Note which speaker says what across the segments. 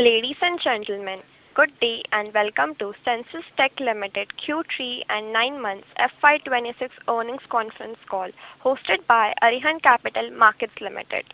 Speaker 1: Ladies and gentlemen, good day, and welcome to Ceinsys Tech Limited Q3 and nine months FY 2026 Earnings Conference Call, hosted by Arihant Capital Markets Limited.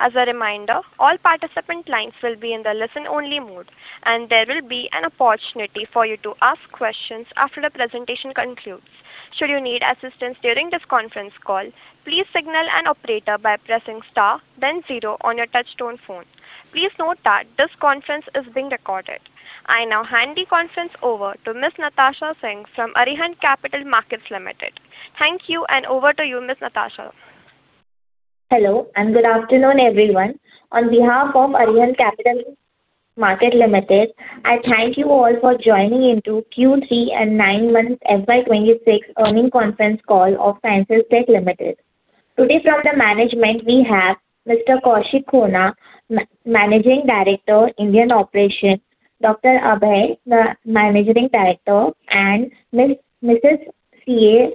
Speaker 1: As a reminder, all participant lines will be in the listen-only mode, and there will be an opportunity for you to ask questions after the presentation concludes. Should you need assistance during this conference call, please signal an operator by pressing star then zero on your touchtone phone. Please note that this conference is being recorded. I now hand the conference over to Miss Natasha Singh from Arihant Capital Markets Limited. Thank you, and over to you, Miss Natasha.
Speaker 2: Hello, and good afternoon, everyone. On behalf of Arihant Capital Markets Limited, I thank you all for joining into Q3 and nine month FY 26 earnings conference call of Ceinsys Tech Limited. Today from the management, we have Mr. Kaushik Khona, Managing Director, Indian Operations, Dr. Abhay, the Managing Director, and Mrs. CA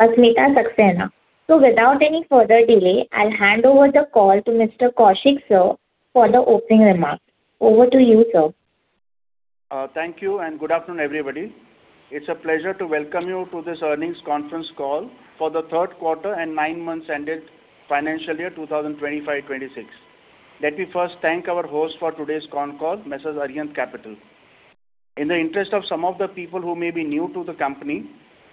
Speaker 2: Amita Saxena. So without any further delay, I'll hand over the call to Mr. Kaushik, sir, for the opening remarks. Over to you, sir.
Speaker 3: Thank you, and good afternoon, everybody. It's a pleasure to welcome you to this earnings conference call for the third quarter and nine months ended financial year 2025-26. Let me first thank our host for today's con call, Messrs Arihant Capital. In the interest of some of the people who may be new to the company,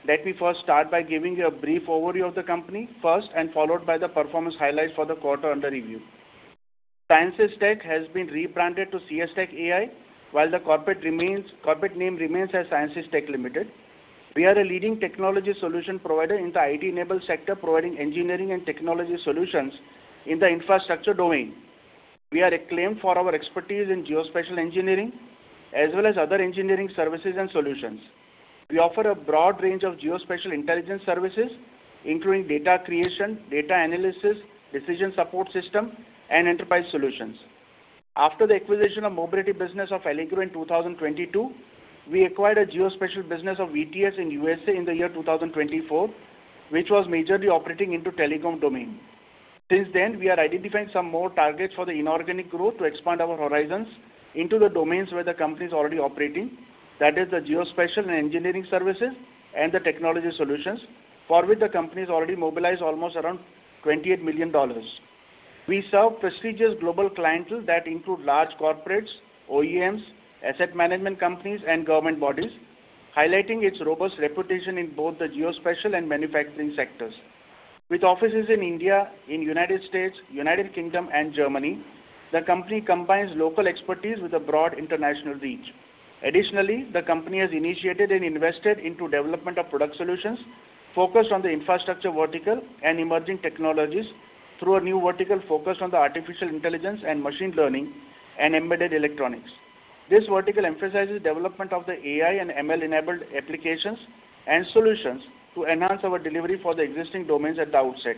Speaker 3: let me first start by giving you a brief overview of the company first, and followed by the performance highlights for the quarter under review. Ceinsys Tech has been rebranded to CS Tech Ai, while the corporate name remains as Ceinsys Tech Limited. We are a leading technology solution provider in the IT-enabled sector, providing engineering and technology solutions in the infrastructure domain. We are acclaimed for our expertise in geospatial engineering, as well as other engineering services and solutions. We offer a broad range of geospatial intelligence services, including data creation, data analysis, decision support system, and enterprise solutions. After the acquisition of mobility business of AllyGrow in 2022, we acquired a geospatial business of VTS in USA in the year 2024, which was majorly operating into telecom domain. Since then, we are identifying some more targets for the inorganic growth to expand our horizons into the domains where the company is already operating. That is the geospatial and engineering services and the technology solutions, for which the company has already mobilized almost around $28 million. We serve prestigious global clientele that include large corporates, OEMs, asset management companies, and government bodies, highlighting its robust reputation in both the geospatial and manufacturing sectors. With offices in India, in United States, United Kingdom, and Germany, the company combines local expertise with a broad international reach. Additionally, the company has initiated and invested into development of product solutions, focused on the infrastructure vertical and emerging technologies through a new vertical focus on the artificial intelligence and machine learning and embedded electronics. This vertical emphasizes development of the AI and ML-enabled applications and solutions to enhance our delivery for the existing domains at the outset,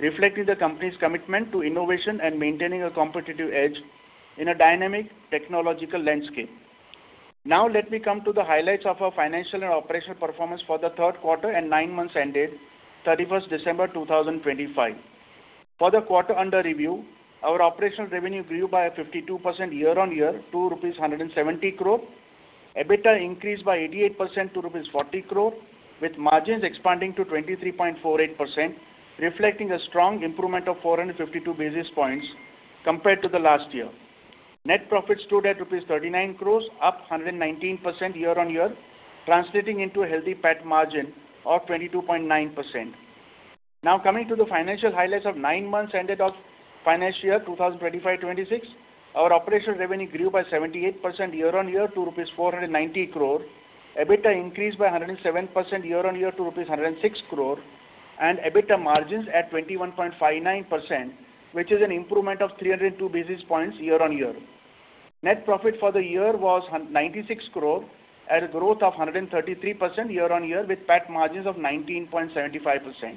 Speaker 3: reflecting the company's commitment to innovation and maintaining a competitive edge in a dynamic technological landscape. Now, let me come to the highlights of our financial and operational performance for the third quarter and nine months ended 31st December 2025. For the quarter under review, our operational revenue grew by 52% year-on-year to rupees 170 crore. EBITDA increased by 88% to rupees 40 crore, with margins expanding to 23.48%, reflecting a strong improvement of 452 basis points compared to the last year. Net profit stood at rupees 39 crore, up 119% year-on-year, translating into a healthy PAT margin of 22.9%. Now, coming to the financial highlights of nine months ended of financial year 2025-2026, our operational revenue grew by 78% year-on-year to rupees 490 crore. EBITDA increased by 107% year-on-year to rupees 106 crore, and EBITDA margins at 21.59%, which is an improvement of 302 basis points year-on-year. Net profit for the year was 96 crore at a growth of 133% year-on-year, with PAT margins of 19.75%.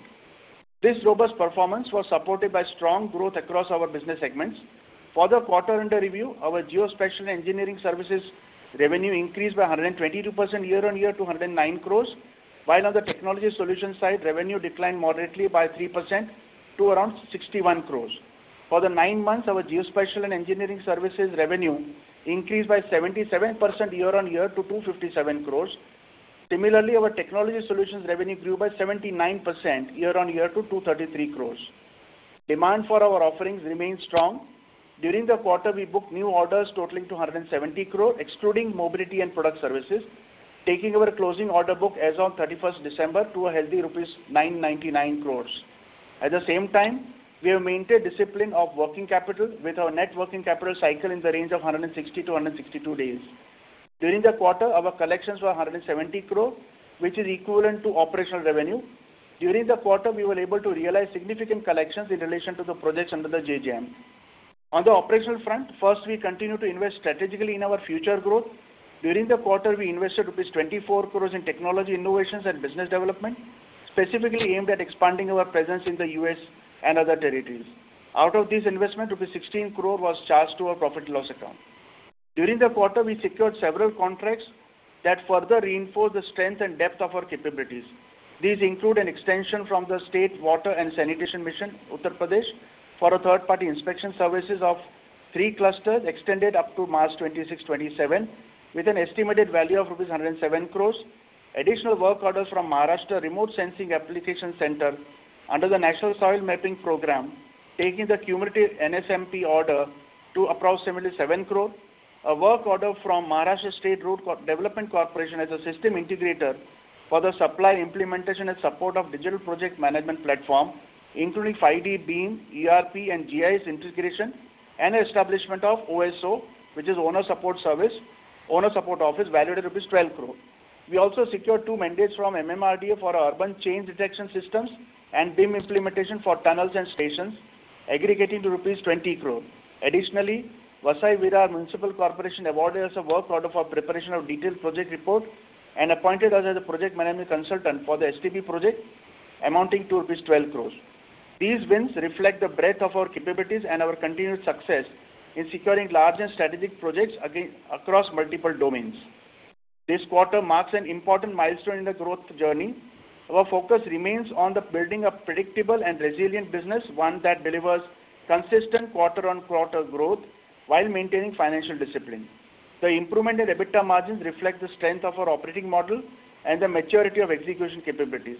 Speaker 3: This robust performance was supported by strong growth across our business segments. For the quarter under review, our geospatial engineering services revenue increased by 122% year-on-year to 109 crore, while on the technology solution side, revenue declined moderately by 3% to around 61 crore. For the nine months, our geospatial and engineering services revenue increased by 77% year-on-year to 257 crore. Similarly, our technology solutions revenue grew by 79% year-on-year to 233 crore. Demand for our offerings remains strong. During the quarter, we booked new orders totaling to 170 crore, excluding mobility and product services, taking our closing order book as on 31st December to a healthy rupees 999 crore. At the same time, we have maintained discipline of working capital with our net working capital cycle in the range of 160-162 days. During the quarter, our collections were 170 crore, which is equivalent to operational revenue. During the quarter, we were able to realize significant collections in relation to the projects under the JJM. On the operational front, first, we continue to invest strategically in our future growth. During the quarter, we invested INR 24 crore in technology innovations and business development, specifically aimed at expanding our presence in the U.S. and other territories. Out of this investment, 16 crore was charged to our profit loss account. During the quarter, we secured several contracts that further reinforce the strength and depth of our capabilities. These include an extension from the State Water and Sanitation Mission, Uttar Pradesh, for third-party inspection services of three clusters, extended up to March 2026-2027, with an estimated value of rupees 107 crore. Additional work orders from Maharashtra Remote Sensing Application Center under the National Soil Mapping Program, taking the cumulative NSMP order to approximately 77 crore. A work order from Maharashtra State Road Development Corporation as a system integrator for the supply, implementation, and support of digital project management platform, including 5D BIM, ERP, and GIS integration, and establishment of OSO, which is Owner Support Service, Owner Support Office, valued at 12 crore rupees. We also secured two mandates from MMRDA for our urban change detection systems and BIM implementation for tunnels and stations, aggregating to rupees 20 crore. Additionally, Vasai-Virar Municipal Corporation awarded us a work order for preparation of detailed project report and appointed us as a project management consultant for the STP project, amounting to rupees 12 crore. These wins reflect the breadth of our capabilities and our continued success in securing large and strategic projects again, across multiple domains. This quarter marks an important milestone in the growth journey. Our focus remains on the building a predictable and resilient business, one that delivers consistent quarter-on-quarter growth while maintaining financial discipline. The improvement in EBITDA margins reflect the strength of our operating model and the maturity of execution capabilities.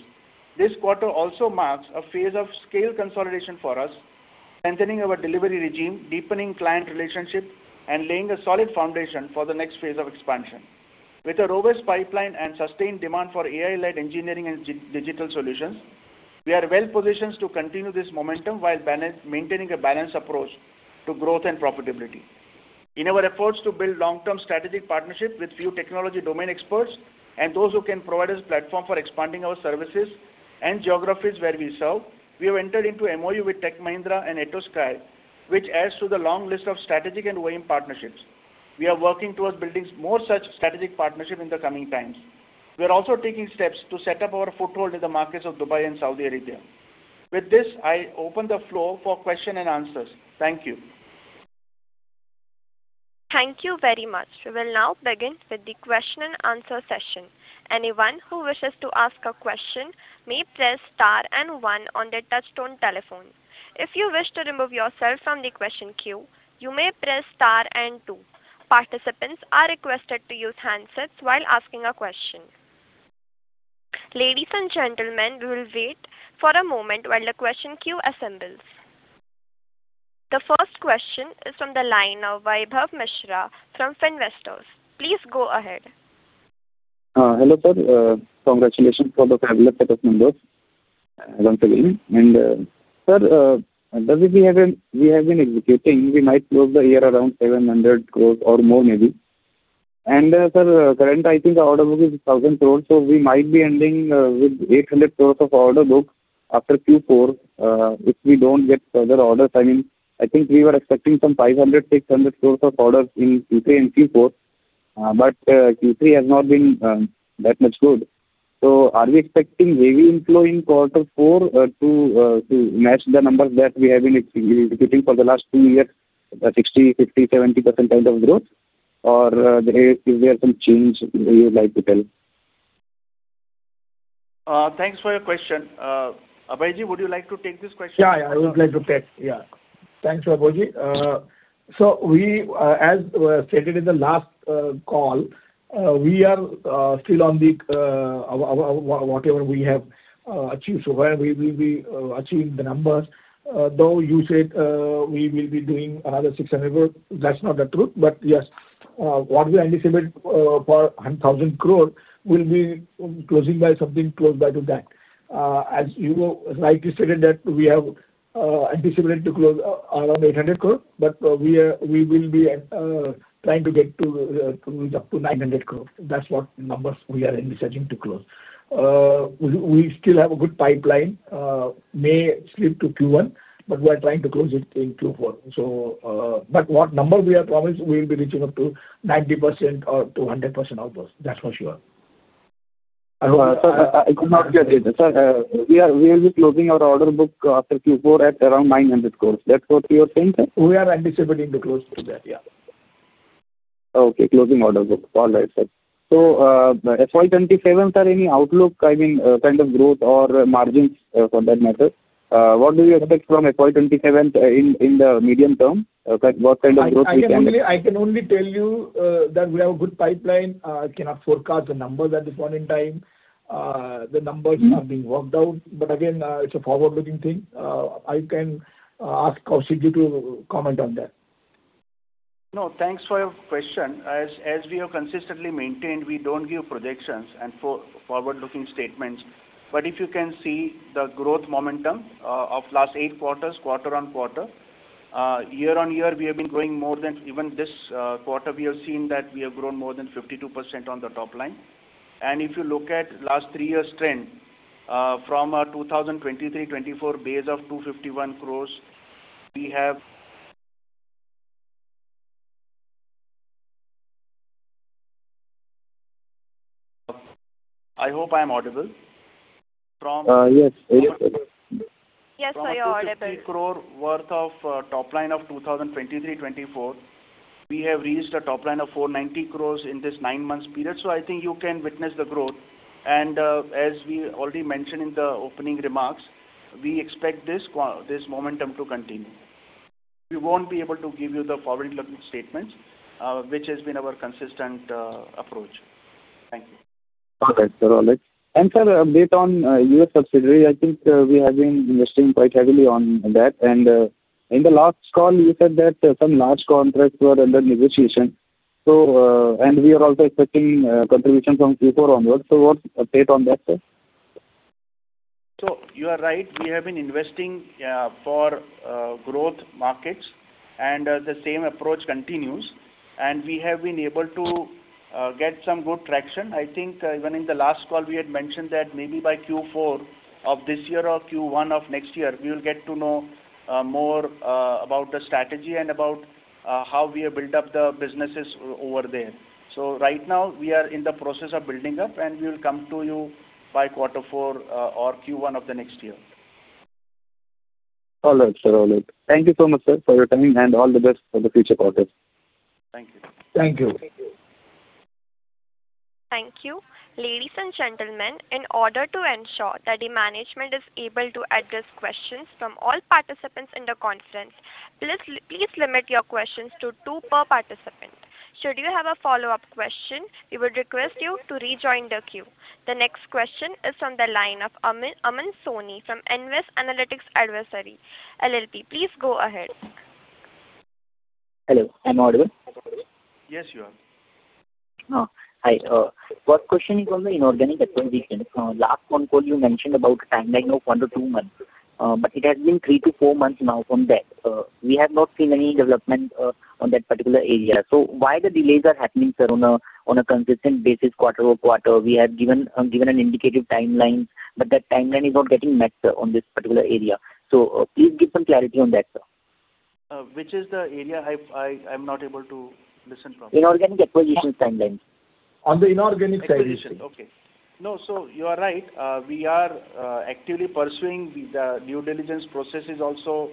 Speaker 3: This quarter also marks a phase of scale consolidation for us, strengthening our delivery regime, deepening client relationship, and laying a solid foundation for the next phase of expansion. With a robust pipeline and sustained demand for AI-led engineering and digital solutions, we are well positioned to continue this momentum while balancing, maintaining a balanced approach to growth and profitability. In our efforts to build long-term strategic partnerships with few technology domain experts and those who can provide us platform for expanding our services and geographies where we serve, we have entered into MOU with Tech Mahindra and Aetosky, which adds to the long list of strategic and winning partnerships. We are working towards building more such strategic partnership in the coming times. We are also taking steps to set up our foothold in the markets of Dubai and Saudi Arabia. With this, I open the floor for questions and answers. Thank you.
Speaker 1: Thank you very much. We will now begin with the question-and-answer session. Anyone who wishes to ask a question may press star and one on their touchtone telephone. If you wish to remove yourself from the question queue, you may press star and two. Participants are requested to use handsets while asking a question. Ladies and gentlemen, we will wait for a moment while the question queue assembles. The first question is from the line of Vaibhav Mishra from Finvestors. Please go ahead.
Speaker 4: Hello, sir. Congratulations for the fabulous set of numbers, once again. Sir, we have been executing; we might close the year around 700 crore or more, maybe. Sir, currently, I think the order book is 1,000 crore, so we might be ending with 800 crore of order book after Q4, if we don't get further orders. I mean, I think we were expecting some 500 crore-600 crore of orders in Q3 and Q4, but Q3 has not been that much good. So are we expecting heavy inflow in quarter four to match the numbers that we have been executing for the last two years, 60%, 50%, 70% kind of growth? Or, is there some change you would like to tell?
Speaker 3: Thanks for your question. Abhijeet, would you like to take this question?
Speaker 5: Yeah, yeah, I would like to take. Yeah. Thanks, Abhijeet. So we, as stated in the last call, we are still on our whatever we have achieved so well, we will be achieving the numbers. Though you said we will be doing another 600 crore, that's not the truth. But yes, what we anticipated for 1,000 crore will be closing by something close by to that. As you rightly stated, that we have anticipated to close around 800 crore, but we are, we will be trying to get to up to 900 crore. That's what numbers we are envisaging to close. We still have a good pipeline, may slip to Q1, but we're trying to close it in Q4. but what number we have promised, we will be reaching up to 90% or to 100% of those. That's for sure.
Speaker 4: Sir, I could not get it. Sir, we will be closing our order book after Q4 at around 900 crore. That's what you are saying, sir?
Speaker 5: We are anticipating to close to that. Yeah.
Speaker 4: Okay. Closing order book. All right, sir. So, FY 2027, sir, any outlook, I mean, kind of growth or margins, for that matter? What do you expect from FY 2027, in the medium term? Like what kind of growth we can-
Speaker 5: I can only tell you that we have a good pipeline. I cannot forecast the numbers at this point in time. The numbers-
Speaker 4: Mm-hmm.
Speaker 5: -are being worked out, but again, it's a forward-looking thing. I can ask Kaushik to comment on that.
Speaker 3: No, thanks for your question. As we have consistently maintained, we don't give projections and forward-looking statements. But if you can see the growth momentum of last eight quarters, quarter-on-quarter, year-on-year, we have been growing more than even this quarter, we have seen that we have grown more than 52% on the top line. And if you look at last three years' trend, from our 2023-2024 base of 251 crore, we have-... I hope I am audible. From-
Speaker 4: Uh, yes.
Speaker 1: Yes, sir, you are audible.
Speaker 3: Crore worth of top line of 2023-2024, we have reached a top line of 490 crore in this nine months period. So I think you can witness the growth. As we already mentioned in the opening remarks, we expect this momentum to continue. We won't be able to give you the forward-looking statements, which has been our consistent approach. Thank you.
Speaker 4: Okay, sir. All right. And sir, update on U.S. subsidiary. I think we have been investing quite heavily on that, and in the last call, you said that some large contracts were under negotiation. So, and we are also expecting contribution from Q4 onwards. So what's update on that, sir?
Speaker 3: So you are right. We have been investing, yeah, for growth markets, and the same approach continues, and we have been able to get some good traction. I think, even in the last call, we had mentioned that maybe by Q4 of this year or Q1 of next year, we will get to know more about the strategy and about how we have built up the businesses over there. So right now we are in the process of building up, and we will come to you by quarter four or Q1 of the next year.
Speaker 4: All right, sir. All right. Thank you so much, sir, for your time, and all the best for the future quarters.
Speaker 3: Thank you.
Speaker 4: Thank you.
Speaker 1: Thank you. Ladies and gentlemen, in order to ensure that the management is able to address questions from all participants in the conference, please, please limit your questions to two per participant. Should you have a follow-up question, we would request you to rejoin the queue. The next question is from the line of Aman, Aman Soni from Invest Analytics Advisory LLP. Please go ahead.
Speaker 6: Hello, I'm audible?
Speaker 3: Yes, you are.
Speaker 6: Oh, hi. First question is on the inorganic acquisition. Last one call you mentioned about timeline of one-two months, but it has been three-four months now from that. We have not seen any development on that particular area. So why the delays are happening, sir, on a consistent basis, quarter-over-quarter? We have given an indicative timeline, but that timeline is not getting met on this particular area. So, please give some clarity on that, sir.
Speaker 3: Which is the area? I'm not able to listen from.
Speaker 6: Inorganic acquisition timeline. On the inorganic side.
Speaker 3: Acquisition. Okay. No, so you are right. We are actively pursuing the due diligence processes also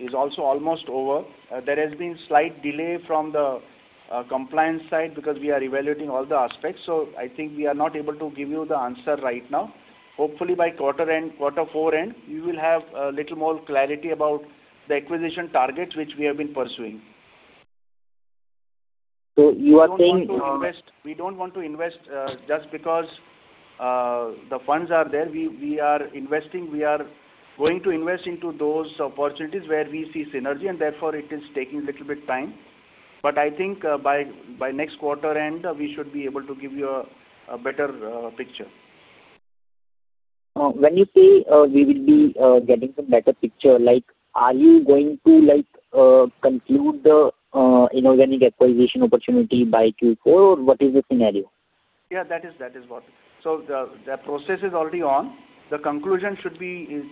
Speaker 3: is also almost over. There has been slight delay from the compliance side because we are evaluating all the aspects. So I think we are not able to give you the answer right now. Hopefully by quarter end, quarter four end, we will have a little more clarity about the acquisition targets, which we have been pursuing.
Speaker 6: So you are saying,
Speaker 3: We don't want to invest, we don't want to invest just because the funds are there. We, we are investing, we are going to invest into those opportunities where we see synergy, and therefore it is taking a little bit time. But I think, by next quarter end, we should be able to give you a better picture.
Speaker 6: When you say, we will be getting some better picture, like, are you going to like conclude the inorganic acquisition opportunity by Q4, or what is the scenario?
Speaker 3: Yeah, that is, that is what. So the process is already on. The conclusion should be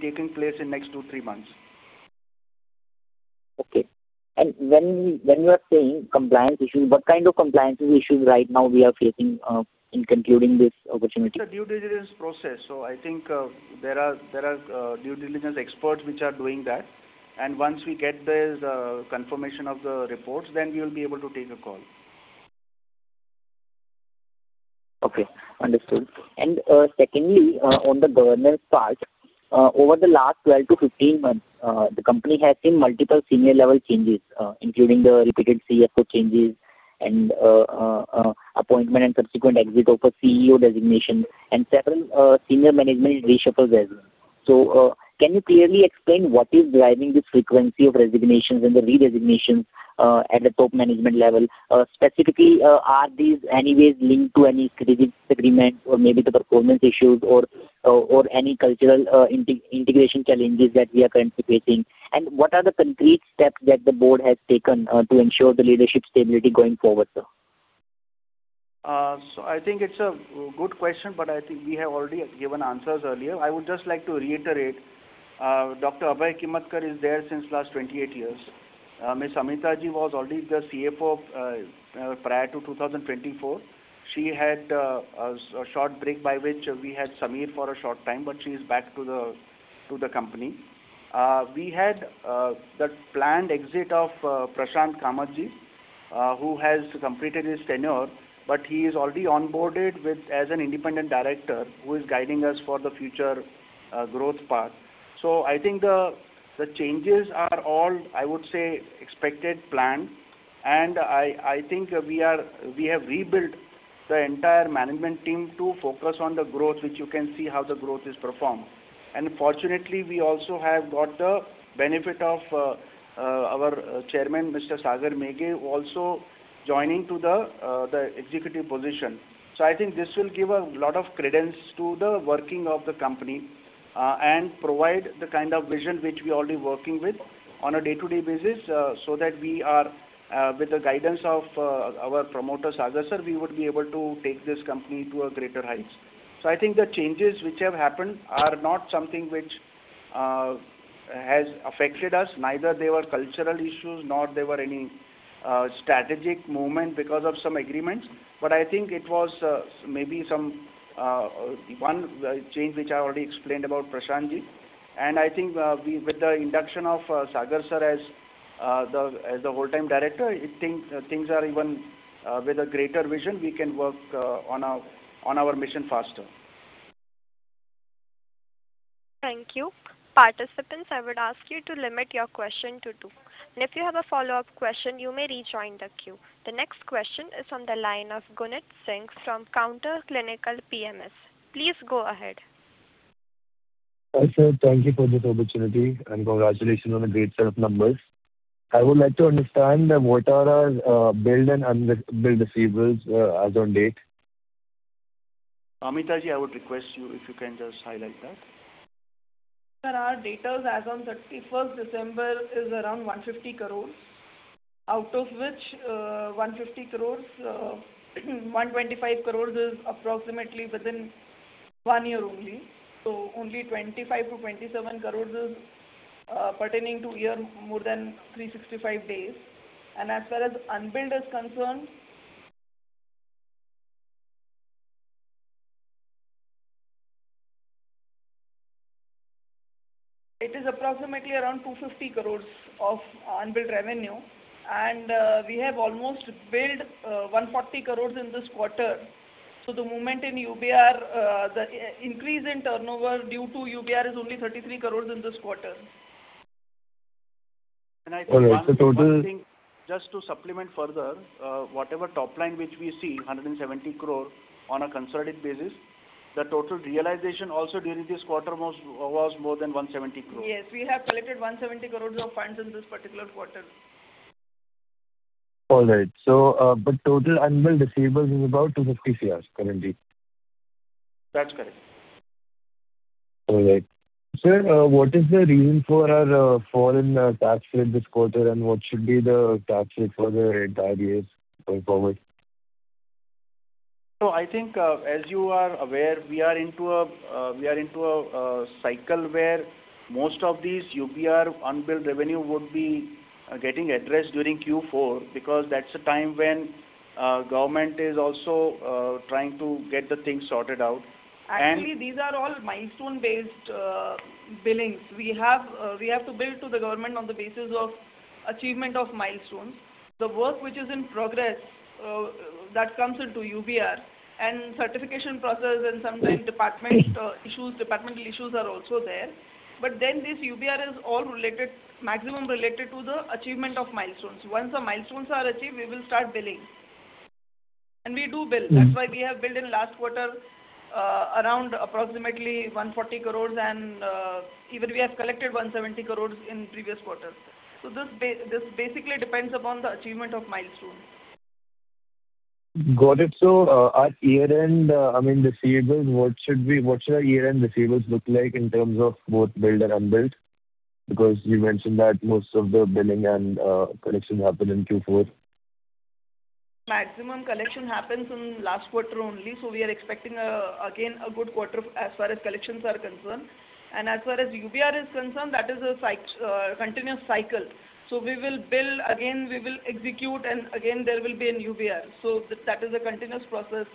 Speaker 3: taking place in next two-three months.
Speaker 6: Okay. And when you are saying compliance issues, what kind of compliance issues right now we are facing in concluding this opportunity?
Speaker 3: It's a due diligence process. So I think, there are due diligence experts which are doing that, and once we get the confirmation of the reports, then we will be able to take a call.
Speaker 6: Okay, understood. And, secondly, on the governance part, over the last 12-15 months, the company has seen multiple senior level changes, including the repeated CFO changes and, appointment and subsequent exit of a CEO designation and several, senior management reshuffles as well. So, can you clearly explain what is driving this frequency of resignations and the re-resignations, at the top management level? Specifically, are these any ways linked to any strategic disagreement or maybe the performance issues or, or any cultural, integration challenges that we are currently facing? And what are the concrete steps that the board has taken, to ensure the leadership stability going forward, sir?
Speaker 3: So I think it's a good question, but I think we have already given answers earlier. I would just like to reiterate, Dr. Abhay Kimmatkar is there since last 28 years. Miss Amita Saxena was already the CFO of, prior to 2024. She had, a short break by which we had Samir for a short time, but she is back to the company. We had, the planned exit of, Prashant Kamat, who has completed his tenure, but he is already onboarded with as an independent director who is guiding us for the future, growth path. So I think the changes are all, I would say, expected plan, and I think we have rebuilt the entire management team to focus on the growth, which you can see how the growth is performed. And fortunately, we also have got the benefit of our chairman, Mr. Sagar Meghe, also joining the executive position. So I think this will give a lot of credence to the working of the company, and provide the kind of vision which we already working with on a day-to-day basis, so that we are with the guidance of our promoter, Sagar Sir, we would be able to take this company to a greater heights. So I think the changes which have happened are not something which has affected us. Neither there were cultural issues, nor there were any strategic movement because of some agreements. But I think it was maybe some one change, which I already explained about Prashant Ji. And I think with the induction of Sagar Sir as the whole time director, it things, things are even with a greater vision, we can work on our mission faster.
Speaker 1: Thank you. Participants, I would ask you to limit your question to two, and if you have a follow-up question, you may rejoin the queue. The next question is on the line of Gunit Singh from Counter Clinical PMS. Please go ahead.
Speaker 7: Hi, sir. Thank you for this opportunity, and congratulations on the great set of numbers. I would like to understand what are our, billed and unbilled receivables, as on date.
Speaker 3: Amita, I would request you if you can just highlight that.
Speaker 8: There are data as on 31st December is around 150 crore, out of which, 150 crore, 125 crores is approximately within one year only. So only 25 crore-27 crore is pertaining to year, more than 365 days. And as far as unbilled is concerned, it is approximately around 250 crore of unbilled revenue, and, we have almost billed, one forty crores in this quarter. So the movement in UBR, the increase in turnover due to UBR is only 33 crore in this quarter.
Speaker 7: All right, so total-
Speaker 3: Just to supplement further, whatever top line, which we see, 170 crore on a consolidated basis, the total realization also during this quarter was more than 170 crore.
Speaker 8: Yes, we have collected 170 crore of funds in this particular quarter.
Speaker 7: All right. So, but total unbilled receivables is about 250 crore currently?
Speaker 3: That's correct.
Speaker 7: All right. Sir, what is the reason for our fall in tax rate this quarter, and what should be the tax rate for the entire year going forward?
Speaker 3: So I think, as you are aware, we are into a cycle where most of these UBR unbilled revenue would be getting addressed during Q4, because that's the time when government is also trying to get the things sorted out. And-
Speaker 8: Actually, these are all milestone-based billings. We have, we have to bill to the government on the basis of achievement of milestones. The work which is in progress, that comes into UBR and certification process and sometimes department issues, departmental issues are also there. But then this UBR is all related, maximum related to the achievement of milestones. Once the milestones are achieved, we will start billing. And we do bill. That's why we have billed in last quarter, around approximately 140 crores, and, even we have collected 170 crores in previous quarters. So this this basically depends upon the achievement of milestones.
Speaker 7: Got it. So, at year-end, I mean, the receivables, what should be—what should our year-end receivables look like in terms of both billed and unbilled? Because you mentioned that most of the billing and, collections happen in Q4.
Speaker 8: Maximum collection happens in last quarter only, so we are expecting, again, a good quarter as far as collections are concerned. And as far as UBR is concerned, that is a cyclic, continuous cycle. So we will bill again, we will execute, and again, there will be a new UBR. So that is a continuous process...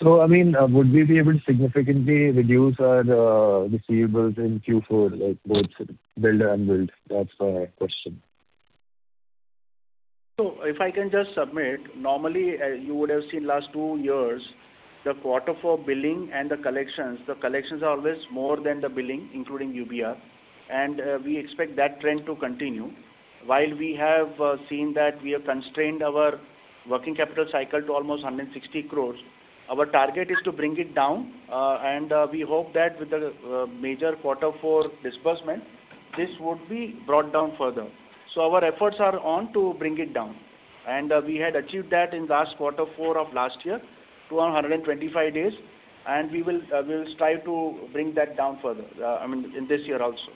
Speaker 7: So, I mean, would we be able to significantly reduce our receivables in Q4, like both billed and unbilled? That's my question.
Speaker 3: So if I can just submit, normally, you would have seen last two years, the quarter for billing and the collections, the collections are always more than the billing, including UBR, and we expect that trend to continue. While we have seen that, we have constrained our working capital cycle to almost 160 crore, our target is to bring it down, and we hope that with the major quarter four disbursement, this would be brought down further. So our efforts are on to bring it down. And we had achieved that in last quarter four of last year to 125 days, and we will strive to bring that down further, I mean, in this year also.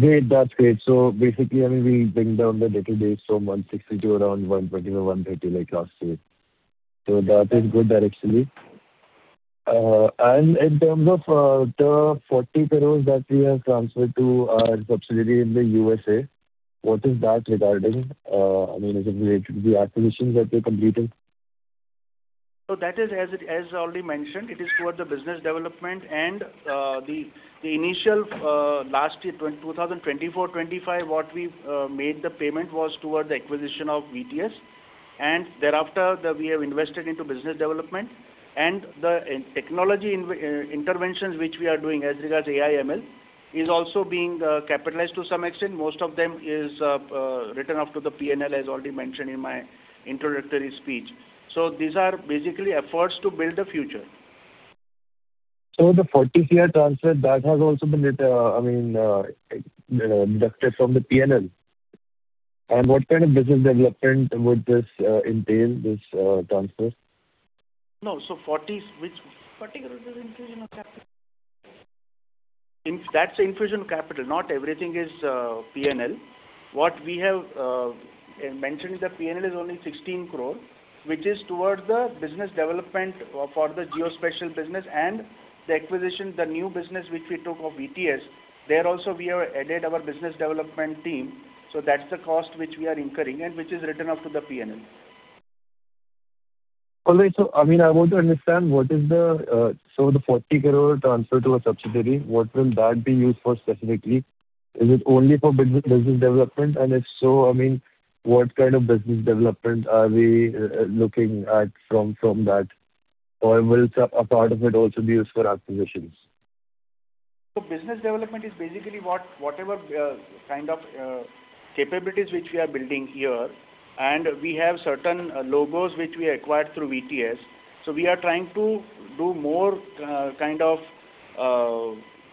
Speaker 7: Great. That's great. So basically, I mean, we bring down the debtor days from 160 to around 120-130, like last year. So that is good directionally. And in terms of the 40 crore that we have transferred to our subsidiary in the USA, what is that regarding? I mean, is it related to the acquisitions that we completed?
Speaker 3: So that is, as already mentioned, it is toward the business development and the initial last year 2024-2025 what we made the payment was towards the acquisition of VTS. And thereafter we have invested into business development and the technology interventions which we are doing as regards AI, ML, is also being capitalized to some extent. Most of them is written off to the P&L, as already mentioned in my introductory speech. So these are basically efforts to build the future.
Speaker 7: So the 40 crore transfer, that has also been, I mean, deducted from the P&L. And what kind of business development would this entail, this transfer?
Speaker 3: No, so 40, which-
Speaker 8: INR 40 crore is inclusion of capital.
Speaker 3: That's infusion capital, not everything is P&L. What we have mentioned, the P&L is only 16 crore, which is towards the business development for the geospatial business and the acquisition, the new business which we took of VTS. There also, we have added our business development team, so that's the cost which we are incurring and which is written off to the P&L.
Speaker 7: Okay, so I mean, I want to understand what is the, so the 40 crore transfer to a subsidiary, what will that be used for specifically? Is it only for business, business development? And if so, I mean, what kind of business development are we looking at from that? Or will a part of it also be used for acquisitions?
Speaker 3: So business development is basically whatever kind of capabilities which we are building here, and we have certain logos which we acquired through VTS. So we are trying to do more kind of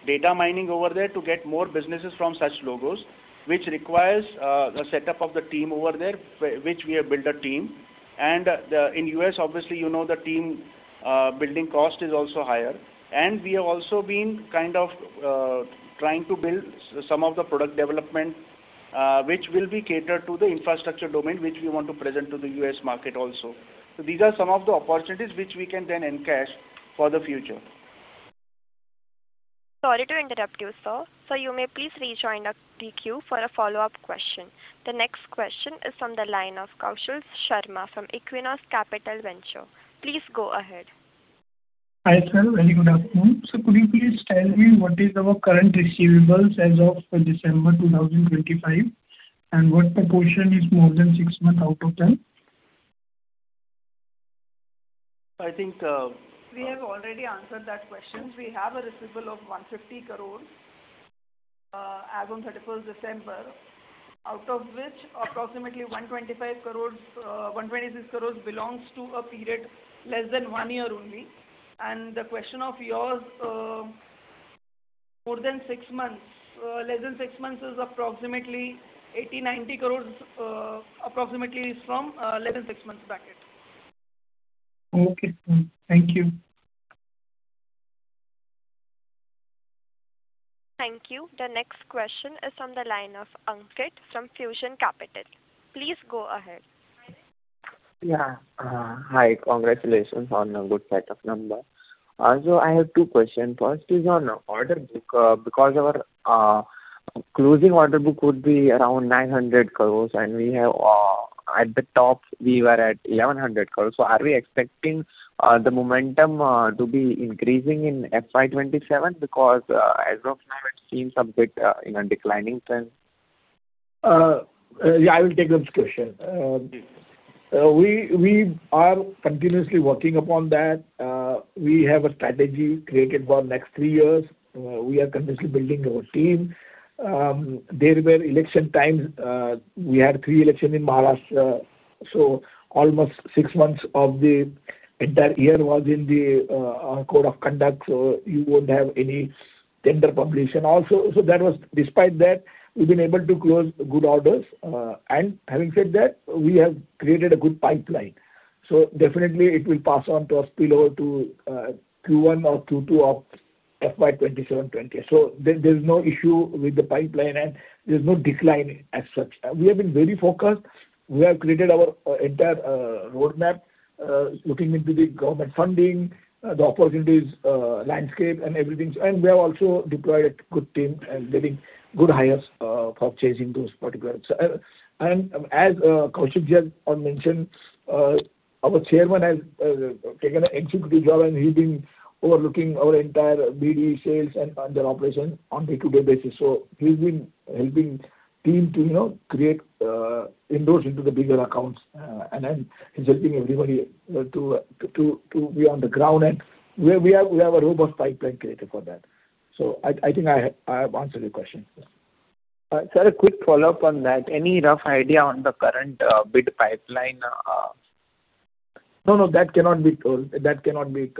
Speaker 3: data mining over there to get more businesses from such logos, which requires the setup of the team over there, which we have built a team. And in U.S., obviously, you know, the team building cost is also higher. And we have also been kind of trying to build some of the product development which will be catered to the infrastructure domain, which we want to present to the U.S. market also. So these are some of the opportunities which we can then encash for the future.
Speaker 1: Sorry to interrupt you, sir. Sir, you may please rejoin our queue for a follow-up question. The next question is from the line of Kaushal Sharma from Equinox Capital Venture. Please go ahead.
Speaker 9: Hi, sir. Very good afternoon. Could you please tell me, what is our current receivables as of December 2025? And what proportion is more than six months out of 10?
Speaker 3: I think,
Speaker 8: We have already answered that question. We have a receivable of 150 crore as on 31st December, out of which approximately 125 crore-126 crore belongs to a period less than one year only. The question of yours, more than six months, less than six months is approximately 80 crore-90 crore, approximately is from less than six months bracket.
Speaker 9: Okay, thank you.
Speaker 1: Thank you. The next question is from the line of Ankit from Fusion Capital. Please go ahead.
Speaker 10: Yeah. Hi, congratulations on a good set of numbers. So I have two questions. First is on order book, because our closing order book would be around 900 crore, and we have, at the top, we were at 1,100 crore. So are we expecting the momentum to be increasing in FY 2027? Because, as of now, it seems a bit in a declining trend.
Speaker 5: Yeah, I will take up this question. We are continuously working upon that. We have a strategy created for next three years. We are continuously building our team. There were election times, we had three elections in Maharashtra, so almost six months of the entire year was in the code of conduct, so you won't have any tender publication also. So that was despite that, we've been able to close good orders. And having said that, we have created a good pipeline. So definitely it will pass on to us, spill over to Q1 or Q2 of FY 2027, 2028. So there's no issue with the pipeline, and there's no decline as such. We have been very focused. We have created our entire roadmap looking into the government funding, the opportunities landscape and everything. We have also deployed a good team and getting good hires for chasing those particulars. As Kaushik just mentioned, our chairman has taken an executive job, and he's been overlooking our entire BD sales and under operation on a day-to-day basis. So he's been helping team to, you know, create endorse into the bigger accounts, and then he's helping everybody to be on the ground, and we have a robust pipeline created for that. So I think I have answered your question.
Speaker 10: Sir, a quick follow-up on that. Any rough idea on the current bid pipeline?
Speaker 3: No, no, that cannot be told. That cannot be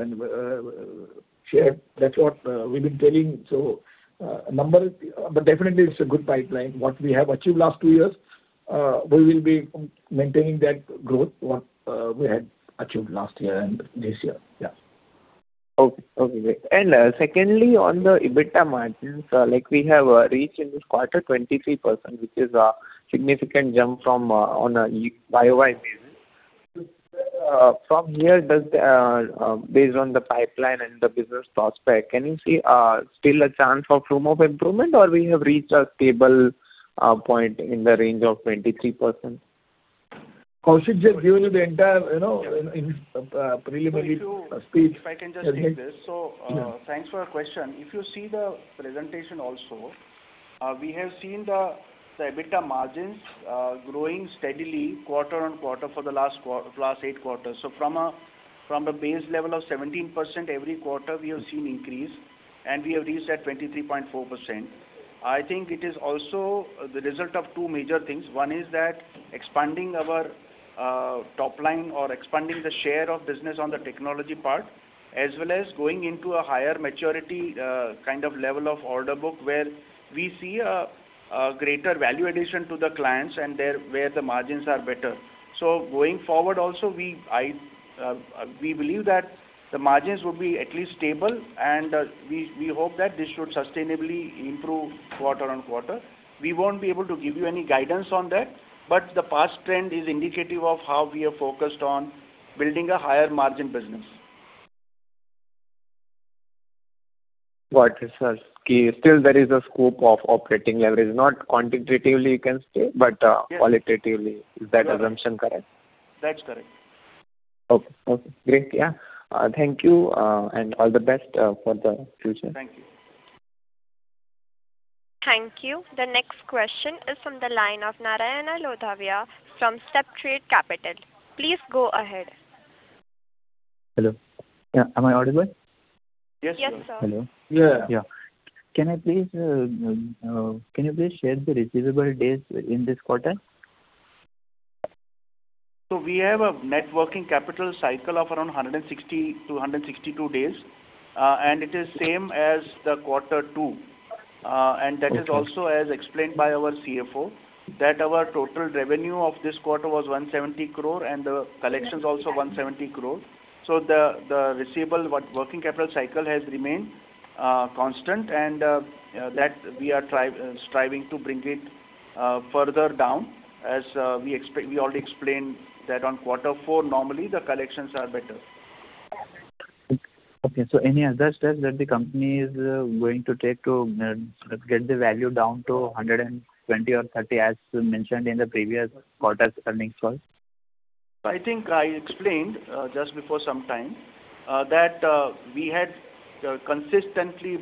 Speaker 3: shared. That's what we've been telling. So, number, but definitely it's a good pipeline. What we have achieved last two years, we will be maintaining that growth, what we had achieved last year and this year. Yeah.
Speaker 10: Okay. Okay, great. And, secondly, on the EBITDA margins, like we have reached in this quarter 23%, which is a significant jump from on a year-over-year basis. From here, does the based on the pipeline and the business prospect, can you see still a chance for room of improvement, or we have reached a stable point in the range of 23%?
Speaker 11: Kaushik just gave you the entire, you know, preliminary speech. If I can just take this.
Speaker 3: Yeah.
Speaker 11: So, thanks for your question. If you see the presentation also, we have seen the EBITDA margins growing steadily quarter-on-quarter for the last eight quarters. So from a base level of 17%, every quarter, we have seen increase, and we have reached at 23.4%. I think it is also the result of two major things. One is that expanding our top line or expanding the share of business on the technology part... as well as going into a higher maturity kind of level of order book, where we see a greater value addition to the clients and there where the margins are better. So going forward also, we, I, we believe that the margins will be at least stable, and, we, we hope that this should sustainably improve quarter-on-quarter. We won't be able to give you any guidance on that, but the past trend is indicative of how we are focused on building a higher margin business.
Speaker 10: Got it, sir. Still there is a scope of operating leverage, not quantitatively you can say, but,
Speaker 11: Yes
Speaker 10: qualitatively. Is that assumption correct?
Speaker 3: That's correct.
Speaker 10: Okay. Okay, great. Yeah. Thank you, and all the best, for the future.
Speaker 3: Thank you.
Speaker 1: Thank you. The next question is from the line of Narayana Lodhavia from StepTrade Capital. Please go ahead.
Speaker 12: Hello. Yeah, am I audible?
Speaker 3: Yes, sir.
Speaker 1: Yes, sir.
Speaker 12: Hello.
Speaker 3: Yeah.
Speaker 12: Yeah. Can I please, can you please share the receivable days in this quarter?
Speaker 3: So we have a net working capital cycle of around 160-162 days, and it is same as the quarter two. And that is also-
Speaker 12: Okay.
Speaker 3: As explained by our CFO, that our total revenue of this quarter was 170 crore, and the collections also 170 crore. So the receivable working capital cycle has remained constant, and that we are striving to bring it further down. As we already explained that on quarter four, normally, the collections are better.
Speaker 12: Okay, so any other steps that the company is going to take to get the value down to 120 or 130, as you mentioned in the previous quarter's earnings call?
Speaker 3: I think I explained just before some time that we had consistently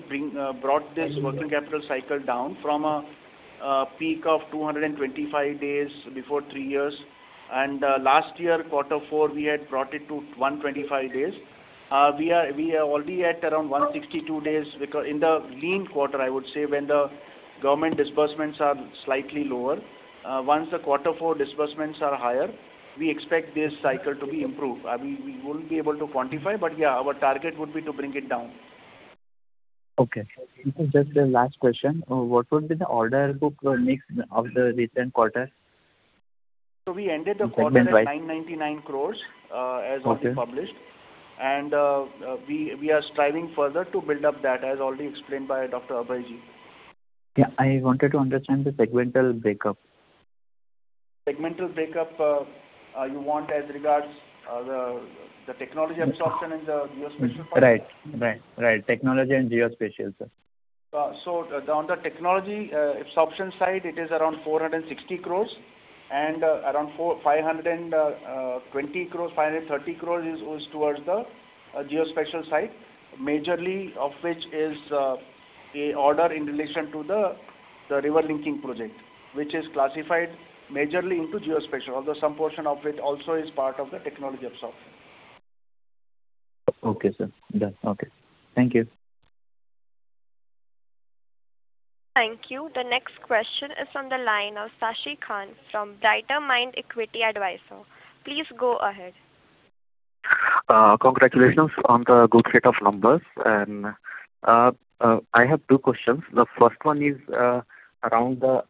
Speaker 3: brought this-
Speaker 12: Mm-hmm.
Speaker 3: Working capital cycle down from a peak of 225 days before three years. Last year, quarter four, we had brought it to 125 days. We are already at around 162 days, because in the lean quarter, I would say, when the government disbursements are slightly lower, once the quarter four disbursements are higher, we expect this cycle to be improved. We won't be able to quantify, but yeah, our target would be to bring it down.
Speaker 12: Okay. Just a last question. What would be the order book mix of the recent quarter?
Speaker 3: We ended the quarter at 999 crore, as already published.
Speaker 12: Okay.
Speaker 3: We are striving further to build up that, as already explained by Dr. Abhay.
Speaker 12: Yeah, I wanted to understand the segmental breakup.
Speaker 3: Segmental breakup, you want as regards, the technology absorption in the geospatial part?
Speaker 12: Right. Right, right. Technology and geospatial, sir.
Speaker 3: On the technology absorption side, it is around 460 crore and around 520 crore, 530 crore goes towards the geospatial side, majorly, of which is an order in relation to the river linking project, which is classified majorly into geospatial, although some portion of it also is part of the technology absorption.
Speaker 12: Okay, sir. Done. Okay. Thank you.
Speaker 1: Thank you. The next question is from the line of Sashi Kant from Brighter Mind Equity Advisor. Please go ahead.
Speaker 13: Congratulations on the good set of numbers. I have two questions. The first one is around the,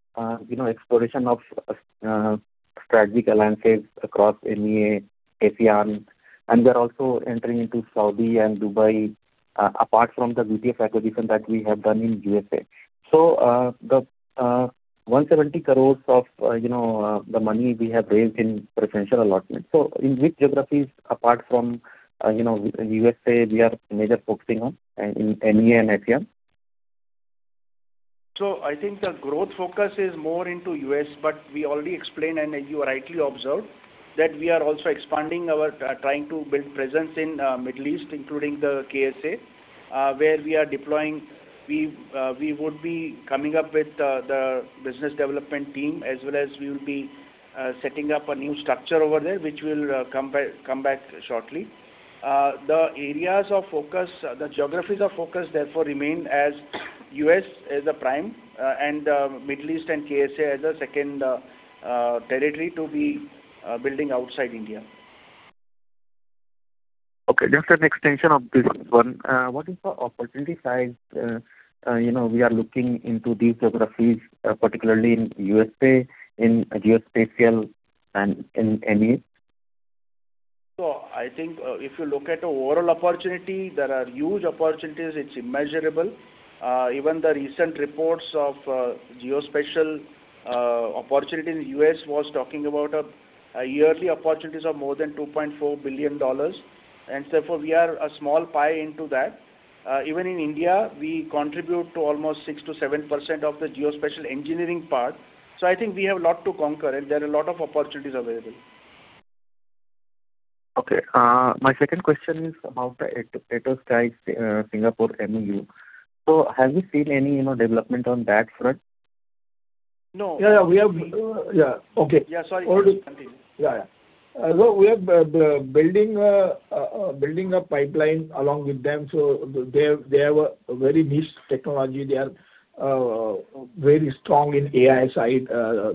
Speaker 13: you know, exploration of strategic alliances across MEA, APM, and we are also entering into Saudi and Dubai, apart from the VTS acquisition that we have done in USA. The 170 crore of, you know, the money we have raised in preferential allotment. In which geographies, apart from USA, we are major focusing on in MEA and APM?
Speaker 3: So I think the growth focus is more into U.S., but we already explained, and you rightly observed, that we are also expanding our, trying to build presence in, Middle East, including the KSA, where we are deploying... We, we would be coming up with the, the business development team, as well as we will be, setting up a new structure over there, which we'll, come back, come back shortly. The areas of focus, the geographies of focus, therefore, remain as U.S. as the prime, and, Middle East and KSA as a second, territory to be, building outside India.
Speaker 13: Okay, just an extension of this one. What is the opportunity size, you know, we are looking into these geographies, particularly in USA, in geospatial and in MEA?
Speaker 3: So I think, if you look at the overall opportunity, there are huge opportunities. It's immeasurable. Even the recent reports of geospatial opportunity in the U.S. was talking about a yearly opportunities of more than $2.4 billion, and therefore, we are a small pie into that. Even in India, we contribute to almost 6%-7% of the geospatial engineering part. So I think we have a lot to conquer, and there are a lot of opportunities available.
Speaker 13: Okay. My second question is about the Atoscribe, Singapore, MOU. So have you seen any, you know, development on that front?
Speaker 3: No.
Speaker 11: Yeah, yeah, we have, yeah. Okay.
Speaker 3: Yeah, sorry. Continue.
Speaker 11: Yeah, yeah. So we are building a pipeline along with them. So they have a very niche technology. They are very strong in AI side.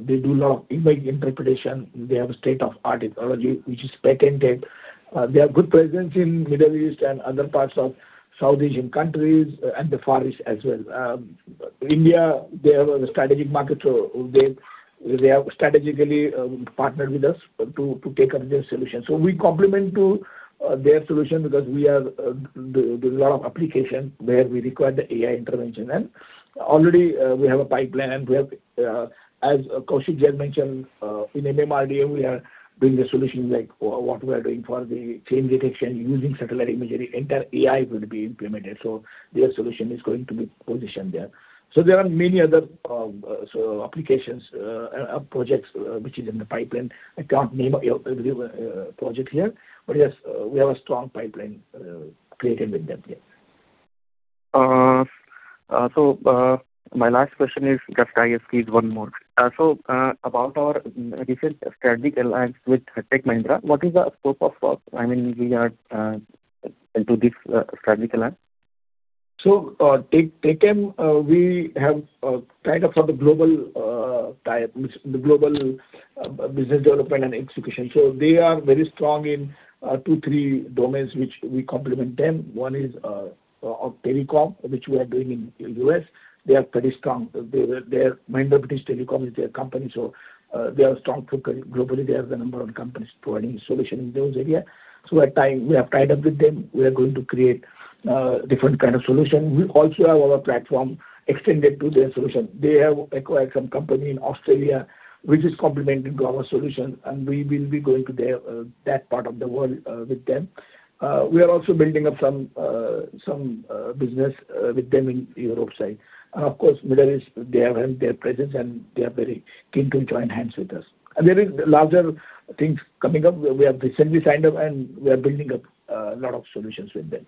Speaker 11: They do a lot of image interpretation. They have a state-of-the-art technology, which is patented. They have good presence in Middle East and other parts of South Asian countries, and the Far East as well. India, they have a strategic market, so they, they have strategically, partnered with us to, to take up their solution. So we complement to, their solution because we have, there, there's a lot of application where we require the AI intervention. And already, we have a pipeline, we have, as Kaushik Khona mentioned, in MMRDA, we are doing a solution like what we are doing for the change detection using satellite imagery. Entire AI will be implemented, so their solution is going to be positioned there. So there are many other, so applications, and projects, which is in the pipeline. I can't name every, project here, but yes, we have a strong pipeline, created with them.
Speaker 3: Yes.
Speaker 13: So, my last question is, just I ask please one more. So, about our recent strategic alliance with Tech Mahindra, what is the scope of work? I mean, we are into this strategic alliance.
Speaker 11: So, we have tied up for the global tie-up, which is the global business development and execution. So they are very strong in two, three domains, which we complement them. One is of telecom, which we are doing in U.S. They are pretty strong. Tech Mahindra, British Telecom is their company, so they are strong globally. They have a number of companies providing solution in those area. So we have tied up with them. We are going to create different kind of solution. We also have our platform extended to their solution. They have acquired some company in Australia, which is complementing our solution, and we will be going to that part of the world with them. We are also building up some business with them in Europe side. Of course, Middle East, they have their presence, and they are very keen to join hands with us. There is larger things coming up. We have recently signed up, and we are building up a lot of solutions with them.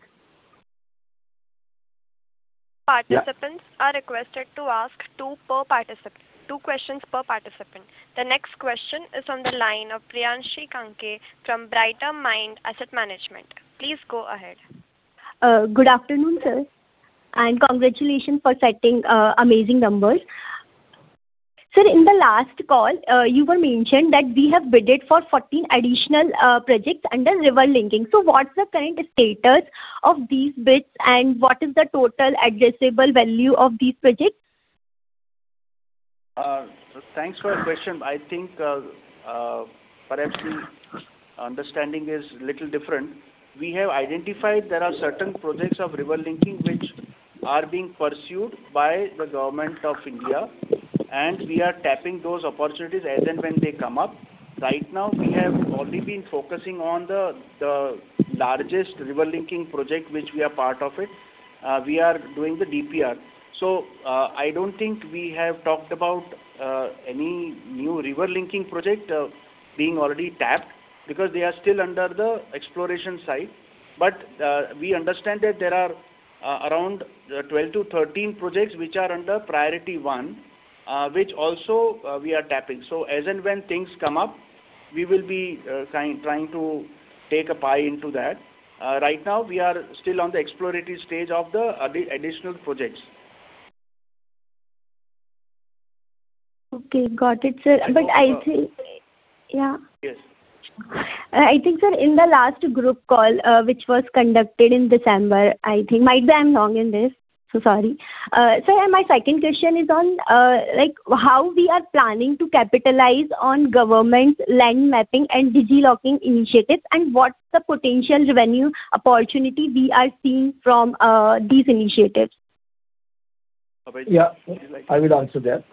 Speaker 1: Participants are requested to ask two per participant, two questions per participant. The next question is on the line of Priyanshi Kanke from Brighter Mind Asset Management. Please go ahead.
Speaker 14: Good afternoon, sir, and congratulations for setting amazing numbers. Sir, in the last call, you mentioned that we have bid for 14 additional projects under river linking. So what's the current status of these bids, and what is the total addressable value of these projects?
Speaker 3: Thanks for the question. I think, perhaps the understanding is little different. We have identified there are certain projects of river linking, which are being pursued by the government of India, and we are tapping those opportunities as and when they come up. Right now, we have only been focusing on the largest river linking project, which we are part of it. We are doing the DPR. So, I don't think we have talked about any new river linking project being already tapped, because they are still under the exploration side. But, we understand that there are around 12-13 projects which are under priority one, which also we are tapping. So as and when things come up, we will be trying to take a pie into that. Right now, we are still on the exploratory stage of the additional projects.
Speaker 14: Okay, got it, sir. But I think, yeah.
Speaker 3: Yes.
Speaker 14: I think, sir, in the last group call, which was conducted in December, I think, might be I'm wrong in this, so sorry. Sir, my second question is on, like, how we are planning to capitalize on government land mapping and digi-locking initiatives, and what's the potential revenue opportunity we are seeing from these initiatives?
Speaker 11: Yeah, I will answer that.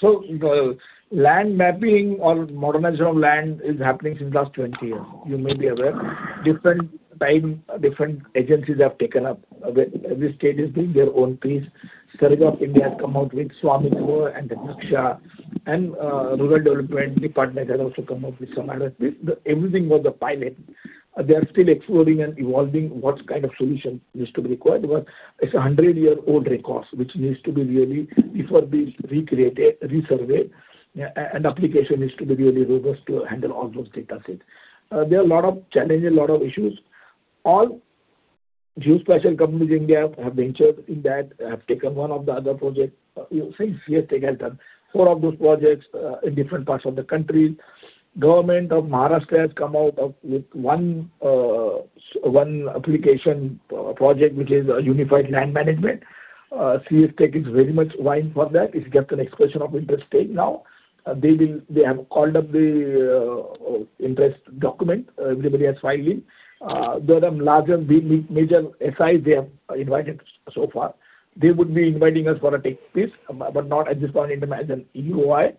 Speaker 11: So the land mapping or modernization of land is happening since last 20 years. You may be aware. Different time, different agencies have taken up. Every, every state is doing their own piece. Survey of India has come out with Swamitva and the Naksha, and Rural Development Department has also come up with some other. Everything was a pilot. They are still exploring and evolving what kind of solution is to be required, but it's 100-year-old records, which needs to be really, before being recreated, resurveyed, and application needs to be really robust to handle all those datasets. There are a lot of challenges, a lot of issues. All geospatial companies in India have ventured in that, have taken one or the other projects. You know, since CS Tech has done four of those projects in different parts of the country. Government of Maharashtra has come out with one application project, which is a unified land management. CS Tech is very much vying for that. It's just an expression of interest stage now. They have called up the interest document. Everybody has filed in. There are larger, big, big, major SIs they have invited so far. They would be inviting us for a take piece, but not at this point in time as an EOI.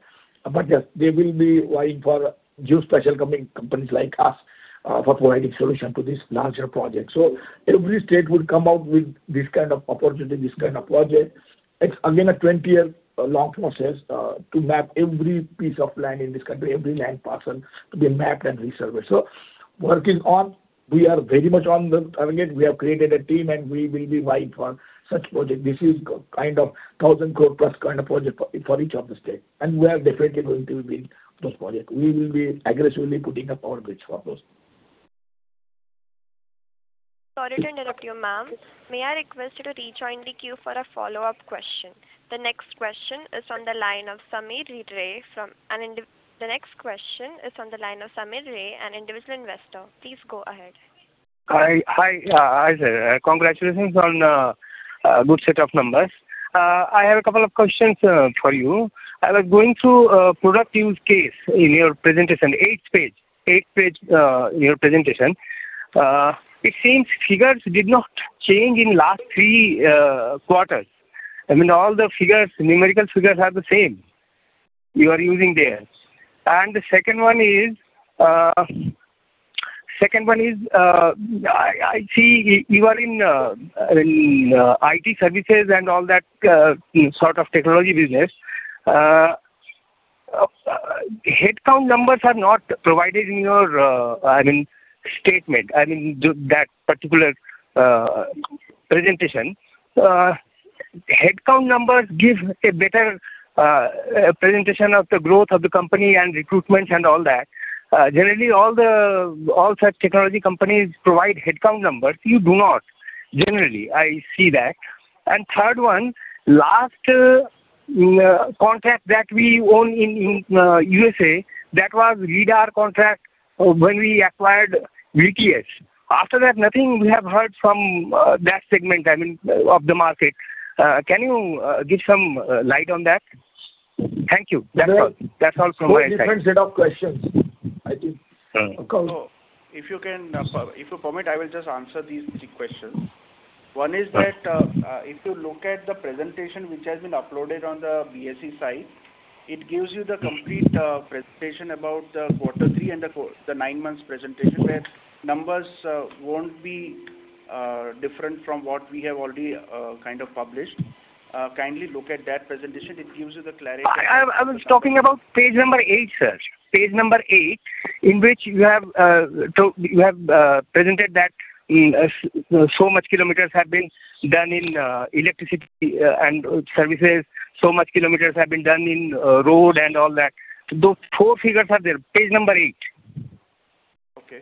Speaker 11: But yes, they will be vying for geospatial companies like us for providing solution to this larger project. So every state will come out with this kind of opportunity, this kind of project. It's again, a 20-year long process to map every piece of land in this country, every land parcel to be mapped and resurveyed. So work is on. We are very much on the target. We have created a team, and we will be vying for such project. This is kind of 1,000 crore+ kind of project for each of the state, and we are definitely going to be in those projects. We will be aggressively putting up our bids for those.
Speaker 1: Sorry to interrupt you, ma'am. May I request you to rejoin the queue for a follow-up question? The next question is on the line of Samir Ray, an individual investor. Please go ahead.
Speaker 15: Hi, sir. Congratulations on a good set of numbers. I have a couple of questions for you. I was going through product use case in your presentation, eighth page, in your presentation. It seems figures did not change in last three quarters. I mean, all the figures, numerical figures are the same you are using there. And the second one is, I see you are in IT services and all that sort of technology business. Headcount numbers are not provided in your, I mean, statement, I mean, do that particular presentation. Headcount numbers give a better presentation of the growth of the company and recruitment and all that. Generally, all such technology companies provide headcount numbers. You do not. Generally, I see that. And third one, last contract that we own in USA, that was radar contract when we acquired VTS. After that, nothing we have heard from that segment, I mean, of the market. Can you give some light on that? Thank you. That's all. That's all from my side.
Speaker 3: Four different set of questions, I think.
Speaker 11: So if you can, if you permit, I will just answer these three questions. One is that, if you look at the presentation which has been uploaded on the BSE site, it gives you the complete, presentation about the quarter three and the nine months presentation, where numbers, won't be, different from what we have already, kind of published. Kindly look at that presentation. It gives you the clarity.
Speaker 15: I was talking about page number eight, sir. Page number eight, in which you have presented that so much kilometers have been done in electricity and services. So much kilometers have been done in road and all that. Those four figures are there, page number eight.
Speaker 3: Okay.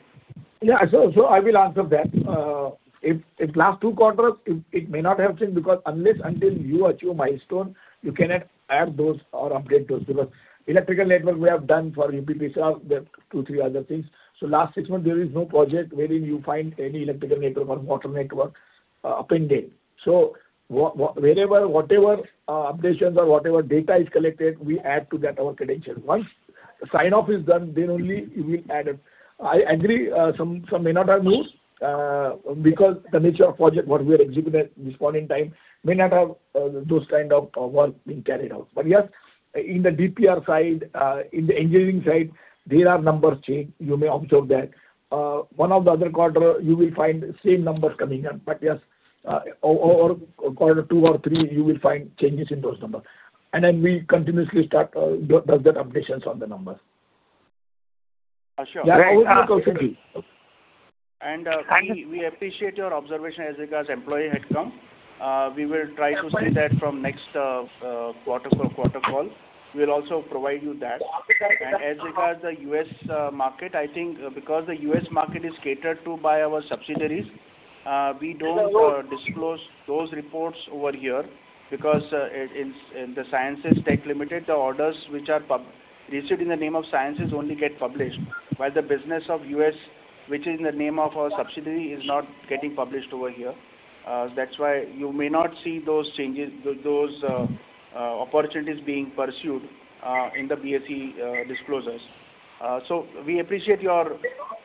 Speaker 11: Yeah, so I will answer that. If last two quarters, it may not have changed, because unless until you achieve milestone, you cannot add those or update those. Because electrical network, we have done for UPCL, the two, three other things. So last six months, there is no project wherein you find any electrical network or water network, pending. So wherever, whatever updates or whatever data is collected, we add to that our credentials. Once sign off is done, then only it will add it. I agree, some may not have moved, because the nature of project, what we are executing this point in time, may not have those kind of work being carried out. But yes, in the DPR side, in the engineering side, there are numbers change. You may observe that. One of the other quarter, you will find same numbers coming in, but yes, or quarter two or three, you will find changes in those numbers. And then we continuously start doing those updates on the numbers.
Speaker 3: Uh, sure. That also be.
Speaker 11: We appreciate your observation as regards employee headcount. We will try to see that from next quarter call. We will also provide you that. As regards the U.S market, I think because the U.S market is catered to by our subsidiaries, we don't disclose those reports over here, because in Ceinsys Tech Limited, the orders which are received in the name of Ceinsys only get published, while the business of U.S, which is in the name of our subsidiary, is not getting published over here. That's why you may not see those changes, those opportunities being pursued in the BSE disclosures. So we appreciate your